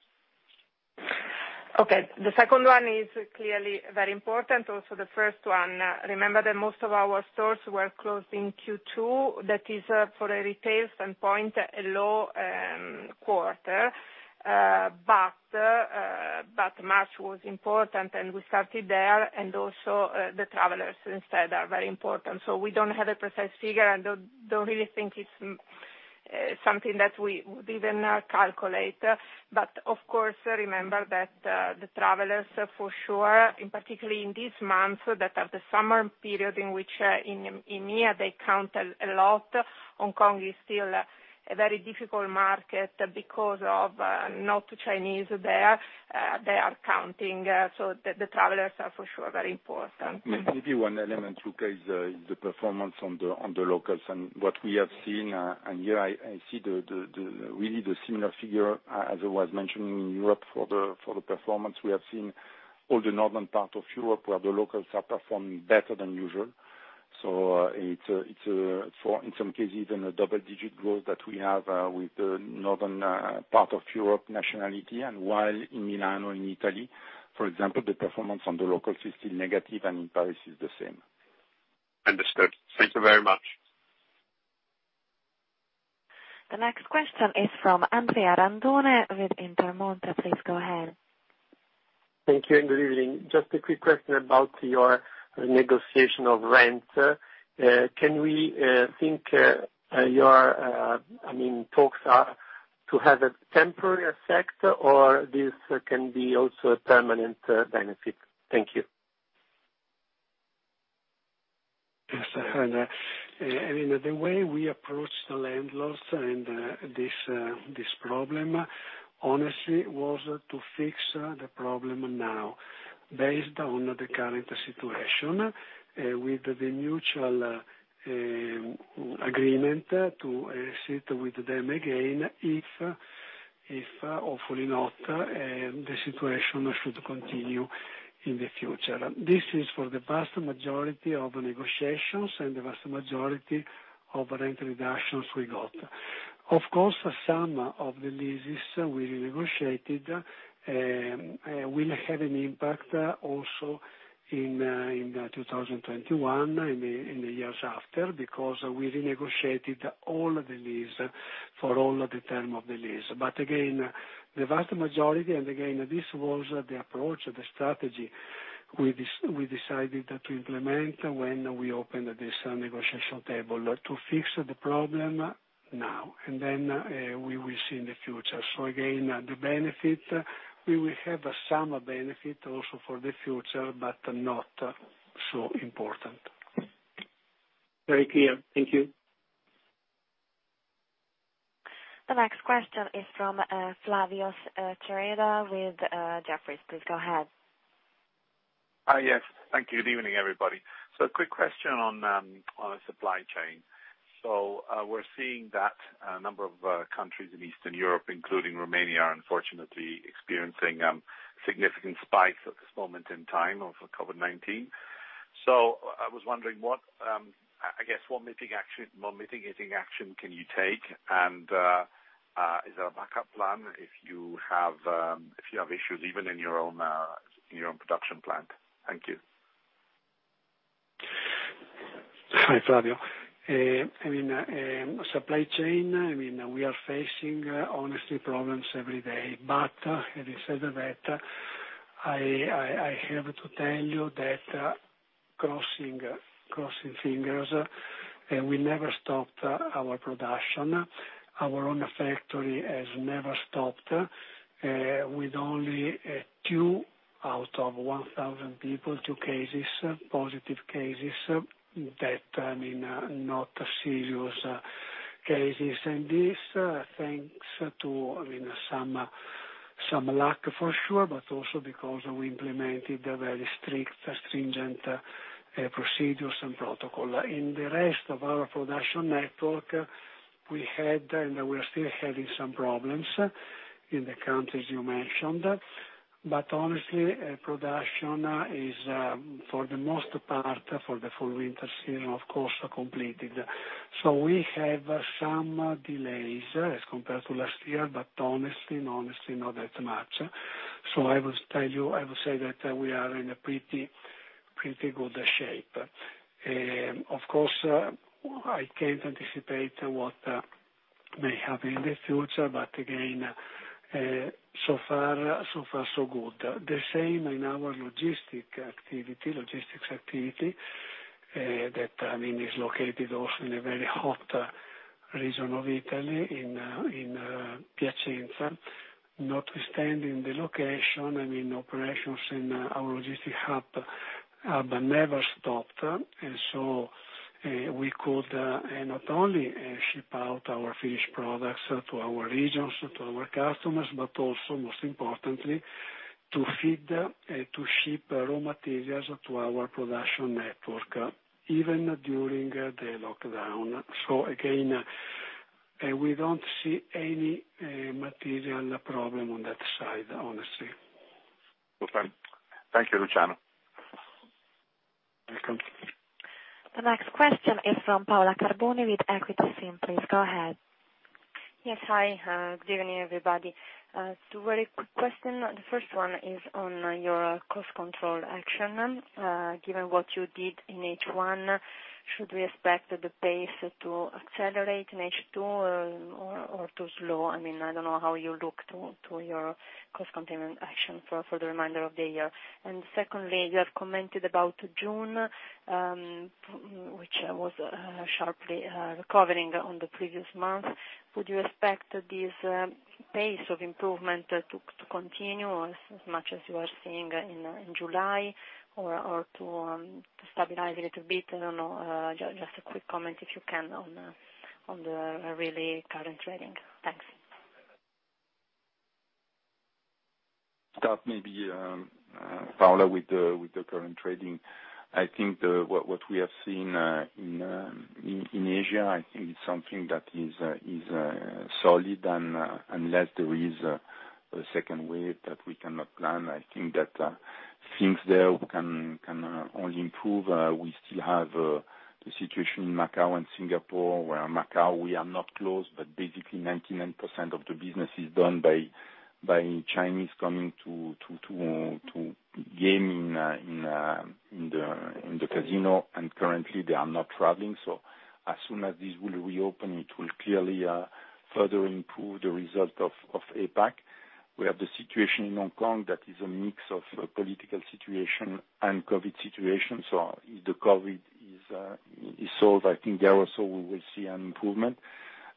Okay. The second one is clearly very important. Also the first one. Remember that most of our stores were closed in Q2. That is for a retail standpoint, a low quarter. March was important and we started there. Also the travelers instead are very important. We don't have a precise figure, and don't really think it's something that we would even calculate. Of course, remember that the travelers for sure, in particular in these months that are the summer period in which in EMEA they count a lot. Hong Kong is still a very difficult market because of not Chinese there. They are counting. The travelers are for sure very important. Maybe one element, Luca, is the performance on the locals and what we have seen, and here I see really the similar figure as I was mentioning in Europe for the performance we have seen, all the northern part of Europe where the locals are performing better than usual. It's, in some cases, a double-digit growth that we have with the northern part of Europe nationality. While in Milan, in Italy, for example, the performance on the local is still negative and in Paris is the same. Understood. Thank you very much. The next question is from Andrea Randone with Intermonte. Please go ahead. Thank you. Good evening. Just a quick question about your negotiation of rent. Can we think your talks are to have a temporary effect or this can be also a permanent benefit? Thank you. I mean, the way we approach the landlords and this problem, honestly, was to fix the problem now based on the current situation, with the mutual agreement to sit with them again if, hopefully not, the situation should continue in the future. This is for the vast majority of negotiations and the vast majority of rent reductions we got. Of course, some of the leases we renegotiated will have an impact also in 2021, in the years after, because we renegotiated all the lease for all the term of the lease. Again, the vast majority, again, this was the approach or the strategy we decided to implement when we opened this negotiation table, to fix the problem now and then we will see in the future. Again, the benefit, we will have some benefit also for the future, but not so important. Very clear. Thank you. The next question is from Flavio Cereda with Jefferies. Please go ahead. Yes. Thank you. Good evening, everybody. A quick question on the supply chain. We're seeing that a number of countries in Eastern Europe, including Romania, are unfortunately experiencing significant spikes at this moment in time of COVID-19. I was wondering, I guess, what mitigating action can you take? And is there a backup plan if you have issues even in your own production plant? Thank you. Hi, Flavio. Supply chain, we are facing, honestly, problems every day. Having said that, I have to tell you that, crossing fingers, we never stopped our production. Our own factory has never stopped, with only two out of 1,000 people, two cases, positive cases, that are not serious cases. This, thanks to some luck, for sure, but also because we implemented a very strict, stringent procedures and protocol. In the rest of our production network, we had, and we're still having some problems in the countries you mentioned. Honestly, production is for the most part, for the full winter season, of course, completed. We have some delays as compared to last year, but honestly, not that much. I will say that we are in a pretty good shape. Of course, I can't anticipate what may happen in the future, but again, so far so good. The same in our logistics activity, that is located also in a very hot region of Italy, in Piacenza. Notwithstanding the location and operations in our logistic hub never stopped. We could not only ship out our finished products to our regions, to our customers, but also most importantly, to feed, to ship raw materials to our production network, even during the lockdown. Again, we don't see any material problem on that side, honestly. Superb. Thank you, Luciano. Welcome. The next question is from Paola Carboni with EQUITA SIM. Please go ahead. Yes. Hi. Good evening, everybody. Two very quick questions. The first one is on your cost control action. Given what you did in H1, should we expect the pace to accelerate in H2 or to slow? I don't know how you look to your cost containment action for the remainder of the year. Secondly, you have commented about June, which was sharply recovering on the previous month. Would you expect this pace of improvement to continue as much as you are seeing in July? To stabilize a little bit? I don't know. Just a quick comment, if you can, on the really current trading. Thanks. Start maybe, Paola, with the current trading. I think what we have seen in Asia, it's something that is solid unless there is a second wave that we cannot plan. Things there can only improve. We still have the situation in Macau and Singapore, where Macau, we are not closed, but basically 99% of the business is done by Chinese coming to game in the casino, and currently they are not traveling. As soon as this will reopen, it will clearly further improve the result of APAC. We have the situation in Hong Kong that is a mix of political situation and COVID situation. If the COVID is solved, I think there also we will see an improvement.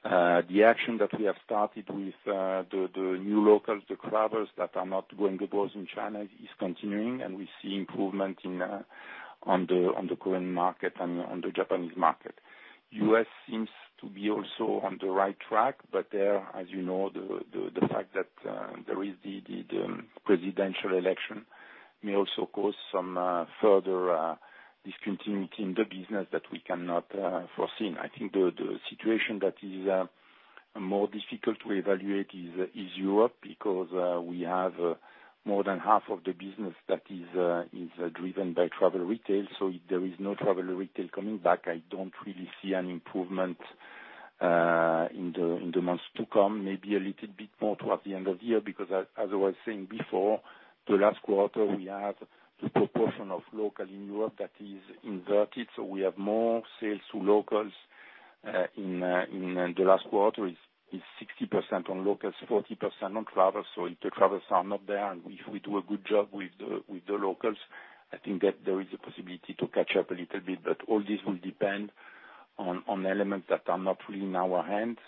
The action that we have started with the New Locals, the travelers that are not going abroad in China is continuing, and we see improvement on the Korean market and on the Japanese market. U.S. seems to be also on the right track, but there, as you know, the fact that there is the presidential election may also cause some further discontinuity in the business that we cannot foresee. I think the situation that is more difficult to evaluate is Europe, because we have more than half of the business that is driven by travel retail. If there is no travel retail coming back, I don't really see an improvement in the months to come. Maybe a little bit more towards the end of the year, because as I was saying before, the last quarter, we have the proportion of local in Europe that is inverted. We have more sales to locals in the last quarter. It's 60% on locals, 40% on travel. If the travels are not there, and if we do a good job with the locals, I think that there is a possibility to catch up a little bit. All this will depend on elements that are not really in our hands,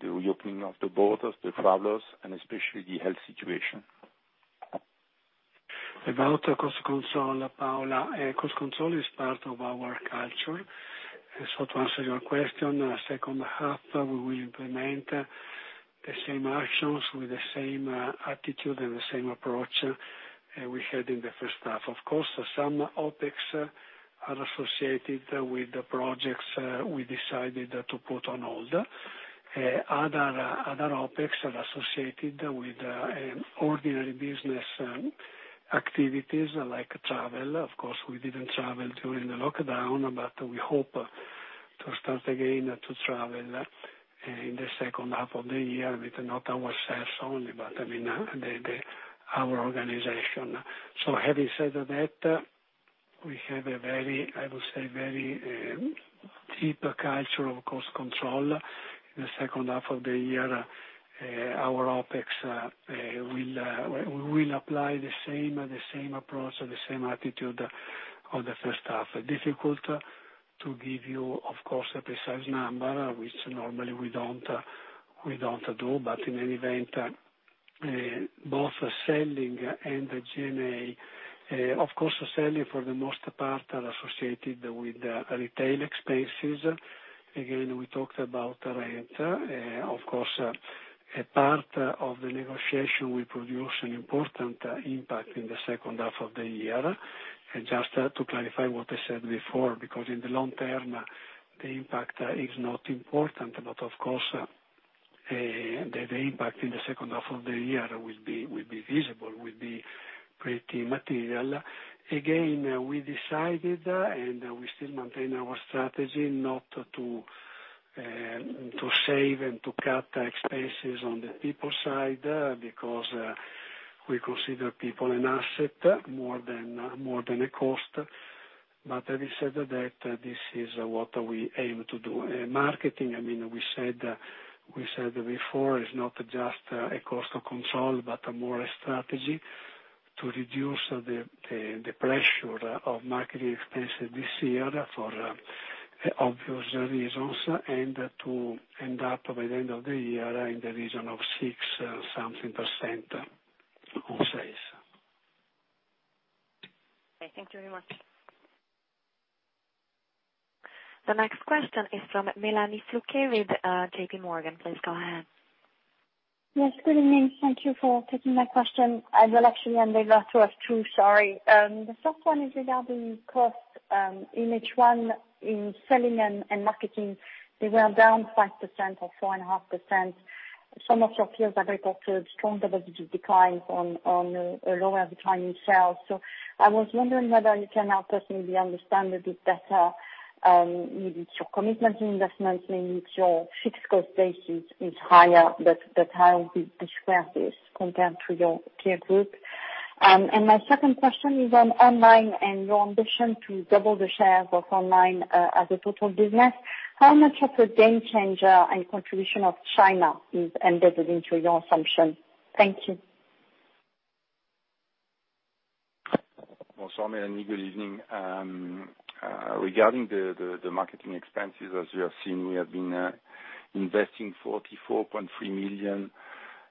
the reopening of the borders, the travelers, and especially the health situation. About cost control, Paola. Cost control is part of our culture. To answer your question, second half, we will implement the same actions with the same attitude and the same approach we had in the first half. Of course, some OpEx are associated with the projects we decided to put on hold. Other OpEx are associated with ordinary business activities, like travel. Of course, we didn't travel during the lockdown, but we hope to start again to travel in the second half of the year, with not ourselves only, but our organization. Having said that, we have, I would say, very deep culture of cost control. In the second half of the year, our OpEx, we will apply the same approach and the same attitude of the first half. Difficult to give you, of course, a precise number, which normally we don't do. In any event, both selling and the G&A. Of course, selling for the most part are associated with retail expenses. Again, we talked about rent. Of course, a part of the negotiation will produce an important impact in the second half of the year. Just to clarify what I said before, because in the long term, the impact is not important. Of course, the impact in the second half of the year will be visible, will be pretty material. Again, we decided, and we still maintain our strategy, not to save and to cut expenses on the people side, because we consider people an asset more than a cost. Having said that, this is what we aim to do. Marketing, we said before, is not just a cost control, but more a strategy to reduce the pressure of marketing expenses this year for obvious reasons, and to end up by the end of the year in the region of 6-something% on sales. Okay, thank you very much. The next question is from Melanie Flouquet with JPMorgan. Please go ahead. Yes, good evening. Thank you for taking my question. I have actually one for both of you two, sorry. The first one is regarding cost in H1 in selling and marketing. They were down 5% or 4.5%. Some of your peers have reported strong double-digit declines on lower declining sales. I was wondering whether you can help us maybe understand a bit better, maybe it's your commitment to investments, maybe it's your fixed cost base is higher, but how big the share is compared to your peer group. My second question is on online and your ambition to double the share of online as a total business. How much of a game changer and contribution of China is embedded into your assumption? Thank you. Bonsoir, Melanie. Good evening. Regarding the marketing expenses, as you have seen, we have been investing 44.3 million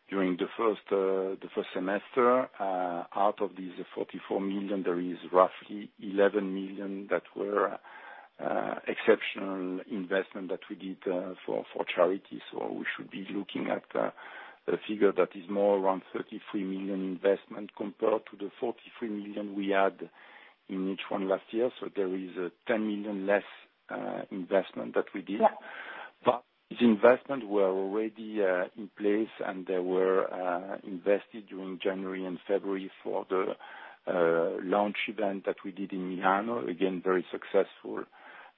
during the first semester. Out of this 44 million, there is roughly 11 million that were exceptional investment that we did for charity. We should be looking at a figure that is more around 33 million investment compared to the 43 million we had in H1 last year. There is 10 million less investment that we did. Yeah. These investments were already in place. They were invested during January and February for the launch event that we did in Milano. Again, very successful,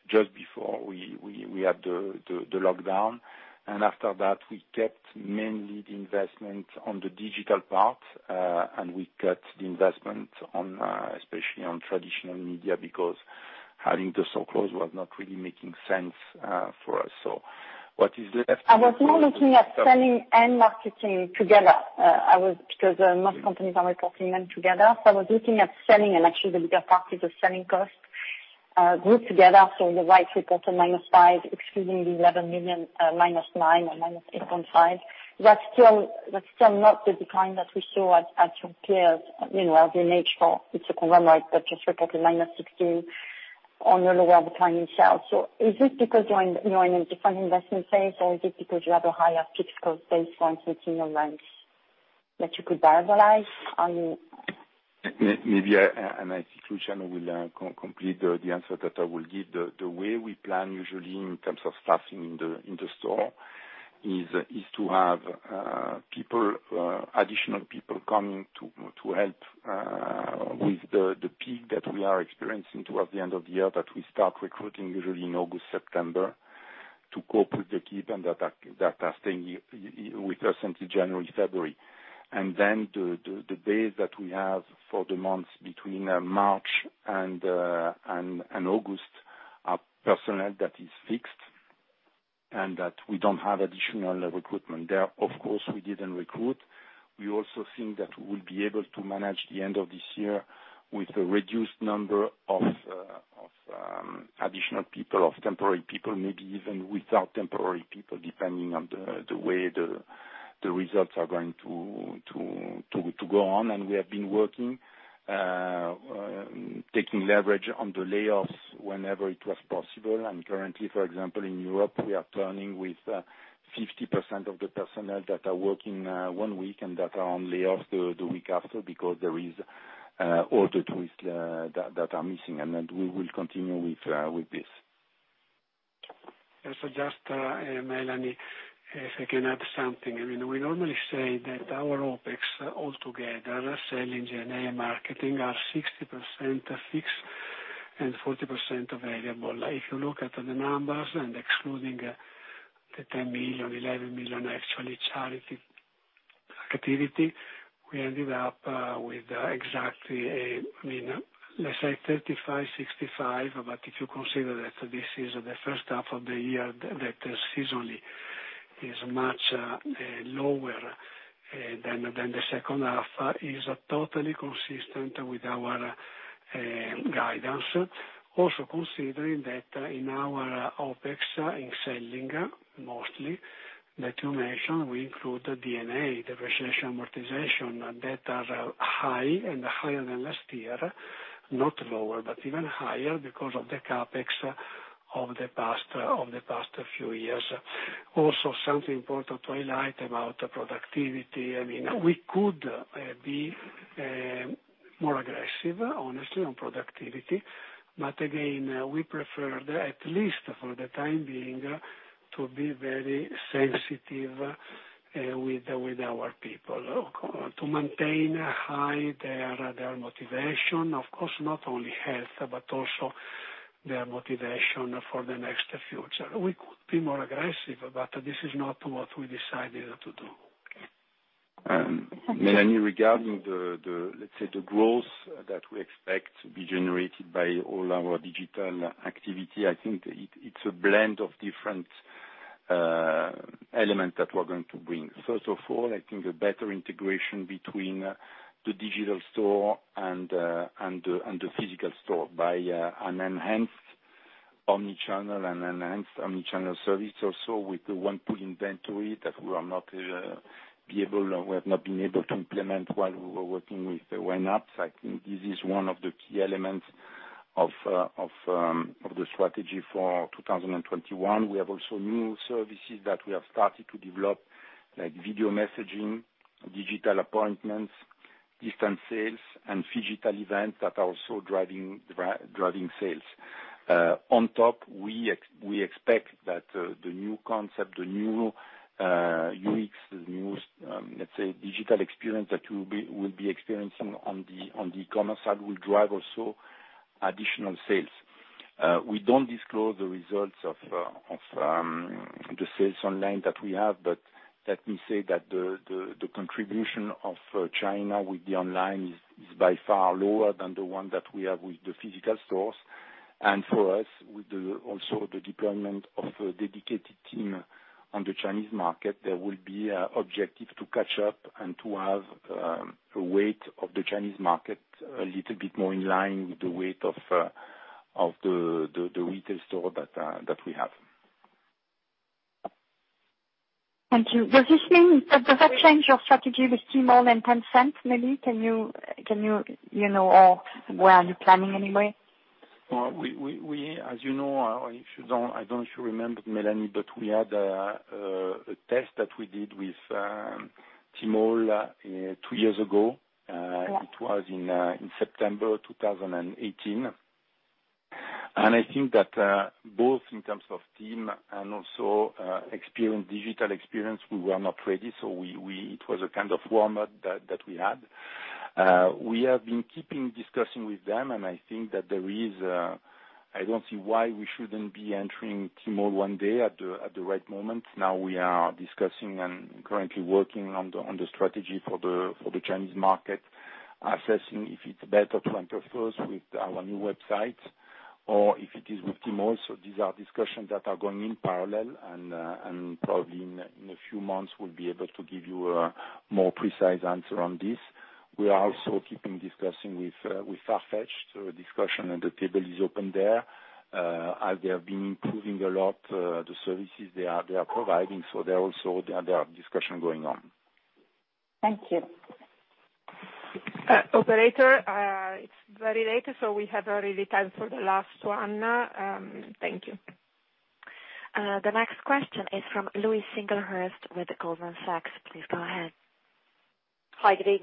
just before we had the lockdown. After that, we kept mainly the investment on the digital part, and we cut the investment especially on traditional media, because having the store closed was not really making sense for us. What is left. I was more looking at selling and marketing together, because most companies are reporting them together. I was looking at selling and actually the bigger part is the selling cost, grouped together. The rights reported -5, excluding the 11 million, -9 or -8.5. That's still not the decline that we saw at your peers. As you mentioned, it's a conglomerate that just reported -16 on the lower decline in sales. Is this because you're in a different investment phase, or is it because you have a higher fixed cost base for increasing your rents that you could revitalize? Are you Maybe, I think Luciano will complete the answer that I will give. The way we plan usually in terms of staffing in the store is to have additional people coming to help with the peak that we are experiencing towards the end of the year, that we start recruiting usually in August, September, to cope with the people that are staying with us until January, February. The days that we have for the months between March and August are personnel that is fixed and that we don't have additional recruitment there. Of course, we didn't recruit. We also think that we'll be able to manage the end of this year with a reduced number of additional people, of temporary people, maybe even without temporary people, depending on the way the results are going to go on. We have been working, taking leverage on the layoffs whenever it was possible. Currently, for example, in Europe, we are turning with 50% of the personnel that are working one week and that are on layoffs the week after because there is order twists that are missing. Then we will continue with this. Just, Melanie, if I can add something. We normally say that our OpEx altogether, selling, G&A, marketing, are 60% fixed and 40% variable. If you look at the numbers and excluding the 10 million, 11 million actually charity activity, we ended up with exactly, let's say 35/65. If you consider that this is the first half of the year, that seasonally is much lower than the second half, is totally consistent with our guidance. Considering that in our OpEx, in selling mostly, that you mentioned, we include the D&A, depreciation, amortization, that are high and higher than last year, not lower, but even higher because of the CapEx of the past few years. Something important to highlight about the productivity. We could be more aggressive, honestly, on productivity. Again, we prefer that at least for the time being, to be very sensitive with our people to maintain high their motivation. Of course, not only health, but also their motivation for the next future. We could be more aggressive, but this is not what we decided to do. Melanie, regarding the growth that we expect to be generated by all our digital activity, I think it's a blend of different elements that we're going to bring. First of all, I think a better integration between the digital store and the physical store by an enhanced omni-channel and enhanced omni-channel service also with the one pool inventory that we have not been able to implement while we were working with the YNAP. I think this is one of the key elements of the strategy for 2021. We have also new services that we have started to develop, like video messaging, digital appointments, distance sales, and phygital events that are also driving sales. On top, we expect that the new concept, the new UX, the new, let's say, digital experience that we'll be experiencing on the commerce side will drive also additional sales. We don't disclose the results of the sales online that we have. Let me say that the contribution of China with the online is by far lower than the one that we have with the physical stores. For us, with also the deployment of a dedicated team on the Chinese market, there will be objective to catch up and to have a weight of the Chinese market a little bit more in line with the weight of the retail store that we have. Thank you. Does that change your strategy with Tmall and Tencent, maybe? Where are you planning anyway? As you know, I don't know if you remember, Melanie, we had a test that we did with Tmall two years ago. Yeah. It was in September 2018. I think that both in terms of team and also digital experience, we were not ready. It was a kind of warm-up that we had. We have been keeping discussing with them, and I don't see why we shouldn't be entering Tmall one day at the right moment. Now we are discussing and currently working on the strategy for the Chinese market, assessing if it's better to enter first with our new website or if it is with Tmall. These are discussions that are going in parallel, and probably in a few months, we'll be able to give you a more precise answer on this. We are also keeping discussing with Farfetch, so a discussion and the table is open there, as they have been improving a lot the services they are providing. There are also discussion going on. Thank you. Operator, it is very late. We have only the time for the last one. Thank you. The next question is from Louise Singlehurst with Goldman Sachs. Please go ahead. Following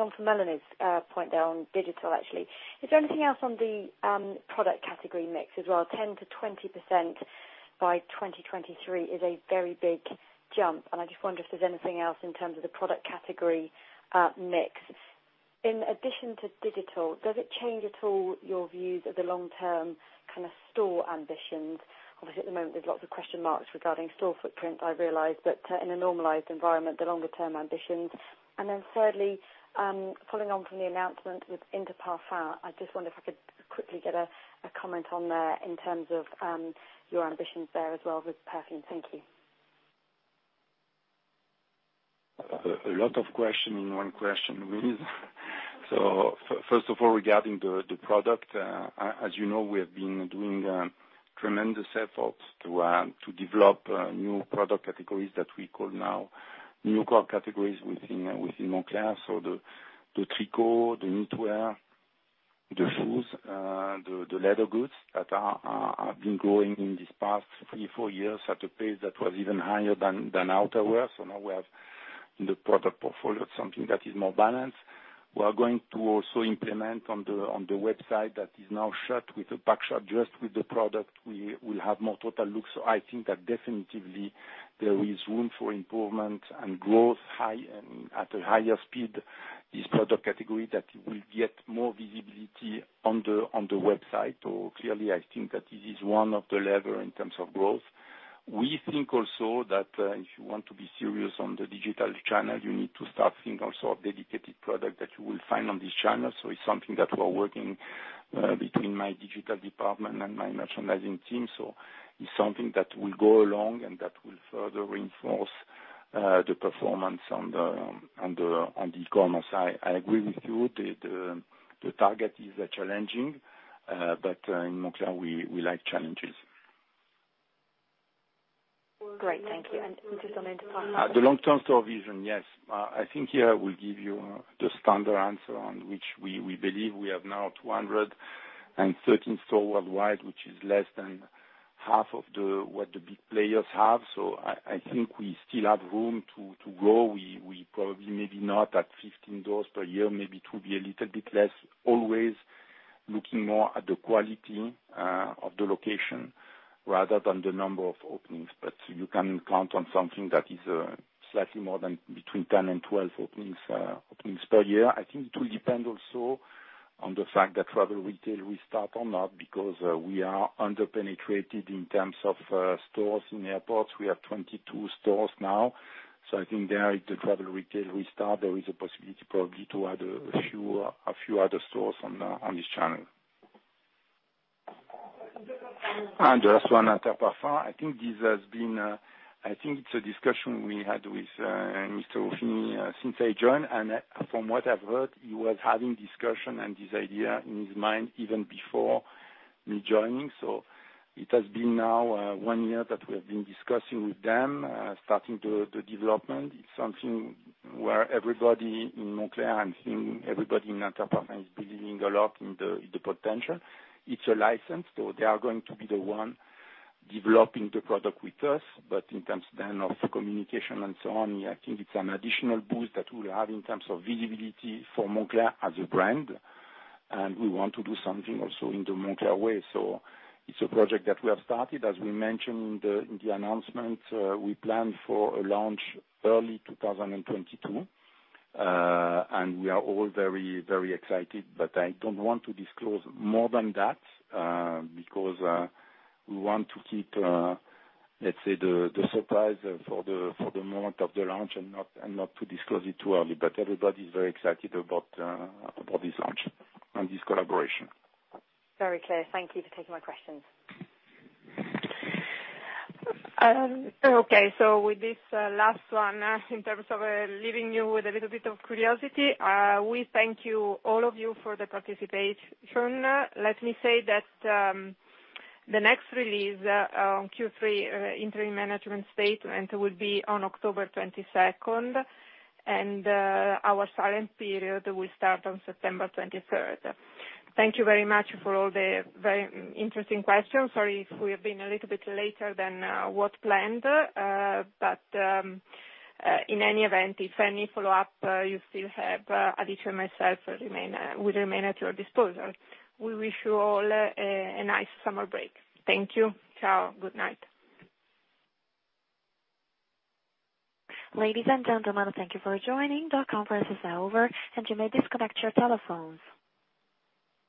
on from Melanie's point there on digital, actually. Is there anything else on the product category mix as well? 10%-20% by 2023 is a very big jump, I just wonder if there's anything else in terms of the product category mix. In addition to digital, does it change at all your views of the long-term store ambitions? At the moment, there's lots of question marks regarding store footprint, I realize, in a normalized environment, the longer term ambitions. Thirdly, following on from the announcement with Interparfums, I just wonder if I could quickly get a comment on there in terms of your ambitions there as well with perfume. Thank you. A lot of questions in one question, Louise. First of all, regarding the product, as you know, we have been doing tremendous efforts to develop new product categories that we call now new core categories within Moncler. The tricot, the knitwear, the shoes, the leather goods that have been growing in this past three, four years at a pace that was even higher than outerwear. Now we have in the product portfolio, something that is more balanced. We are going to also implement on the website that is now shut with a back-end dressed with the product. We will have more total look. I think that definitely there is room for improvement and growth at a higher speed, this product category that will get more visibility on the website. Clearly, I think that this is one of the lever in terms of growth. We think also that if you want to be serious on the digital channel, you need to start think also of dedicated product that you will find on this channel. It's something that we're working between my digital department and my merchandising team. It's something that will go along and that will further reinforce the performance on the e-commerce side. I agree with you. The target is challenging, but in Moncler, we like challenges. Great. Thank you. Just on Interparfums. The long-term store vision, yes. I think here I will give you the standard answer on which we believe we have now 213 store worldwide, which is less than half of what the big players have. I think we still have room to grow. We probably maybe not at 15 doors per year, maybe to be a little bit less, always looking more at the quality of the location rather than the number of openings. You can count on something that is slightly more than between 10 and 12 openings per year. I think it will depend also on the fact that travel retail will start or not because we are under-penetrated in terms of stores in airports. We have 22 stores now. I think there, if the travel retail restart, there is a possibility probably to add a few other stores on this channel. The Interparfums one. The last one, Interparfums. I think it's a discussion we had with Mr. Ruffini since I joined, and from what I've heard, he was having discussion and this idea in his mind even before me joining. It has been now one year that we have been discussing with them, starting the development. It's something where everybody in Moncler and I think everybody in Interparfums is believing a lot in the potential. It's a license, so they are going to be the one developing the product with us. In terms then of communication and so on, I think it's an additional boost that we'll have in terms of visibility for Moncler as a brand. We want to do something also in the Moncler way. It's a project that we have started. As we mentioned in the announcement, we plan for a launch early 2022. We are all very excited, but I don't want to disclose more than that, because we want to keep, let's say, the surprise for the moment of the launch and not to disclose it too early. Everybody's very excited about this launch and this collaboration. Very clear. Thank you for taking my questions. With this last one, in terms of leaving you with a little bit of curiosity, we thank you, all of you, for the participation. Let me say that the next release on Q3 interim management statement will be on October 22nd, and our silent period will start on September 23rd. Thank you very much for all the very interesting questions. Sorry if we have been a little bit later than what planned. In any event, if any follow-up you still have, Aditya and myself we remain at your disposal. We wish you all a nice summer break. Thank you. Ciao. Good night. Ladies and gentlemen, thank you for joining. The conference is over, and you may disconnect your telephones.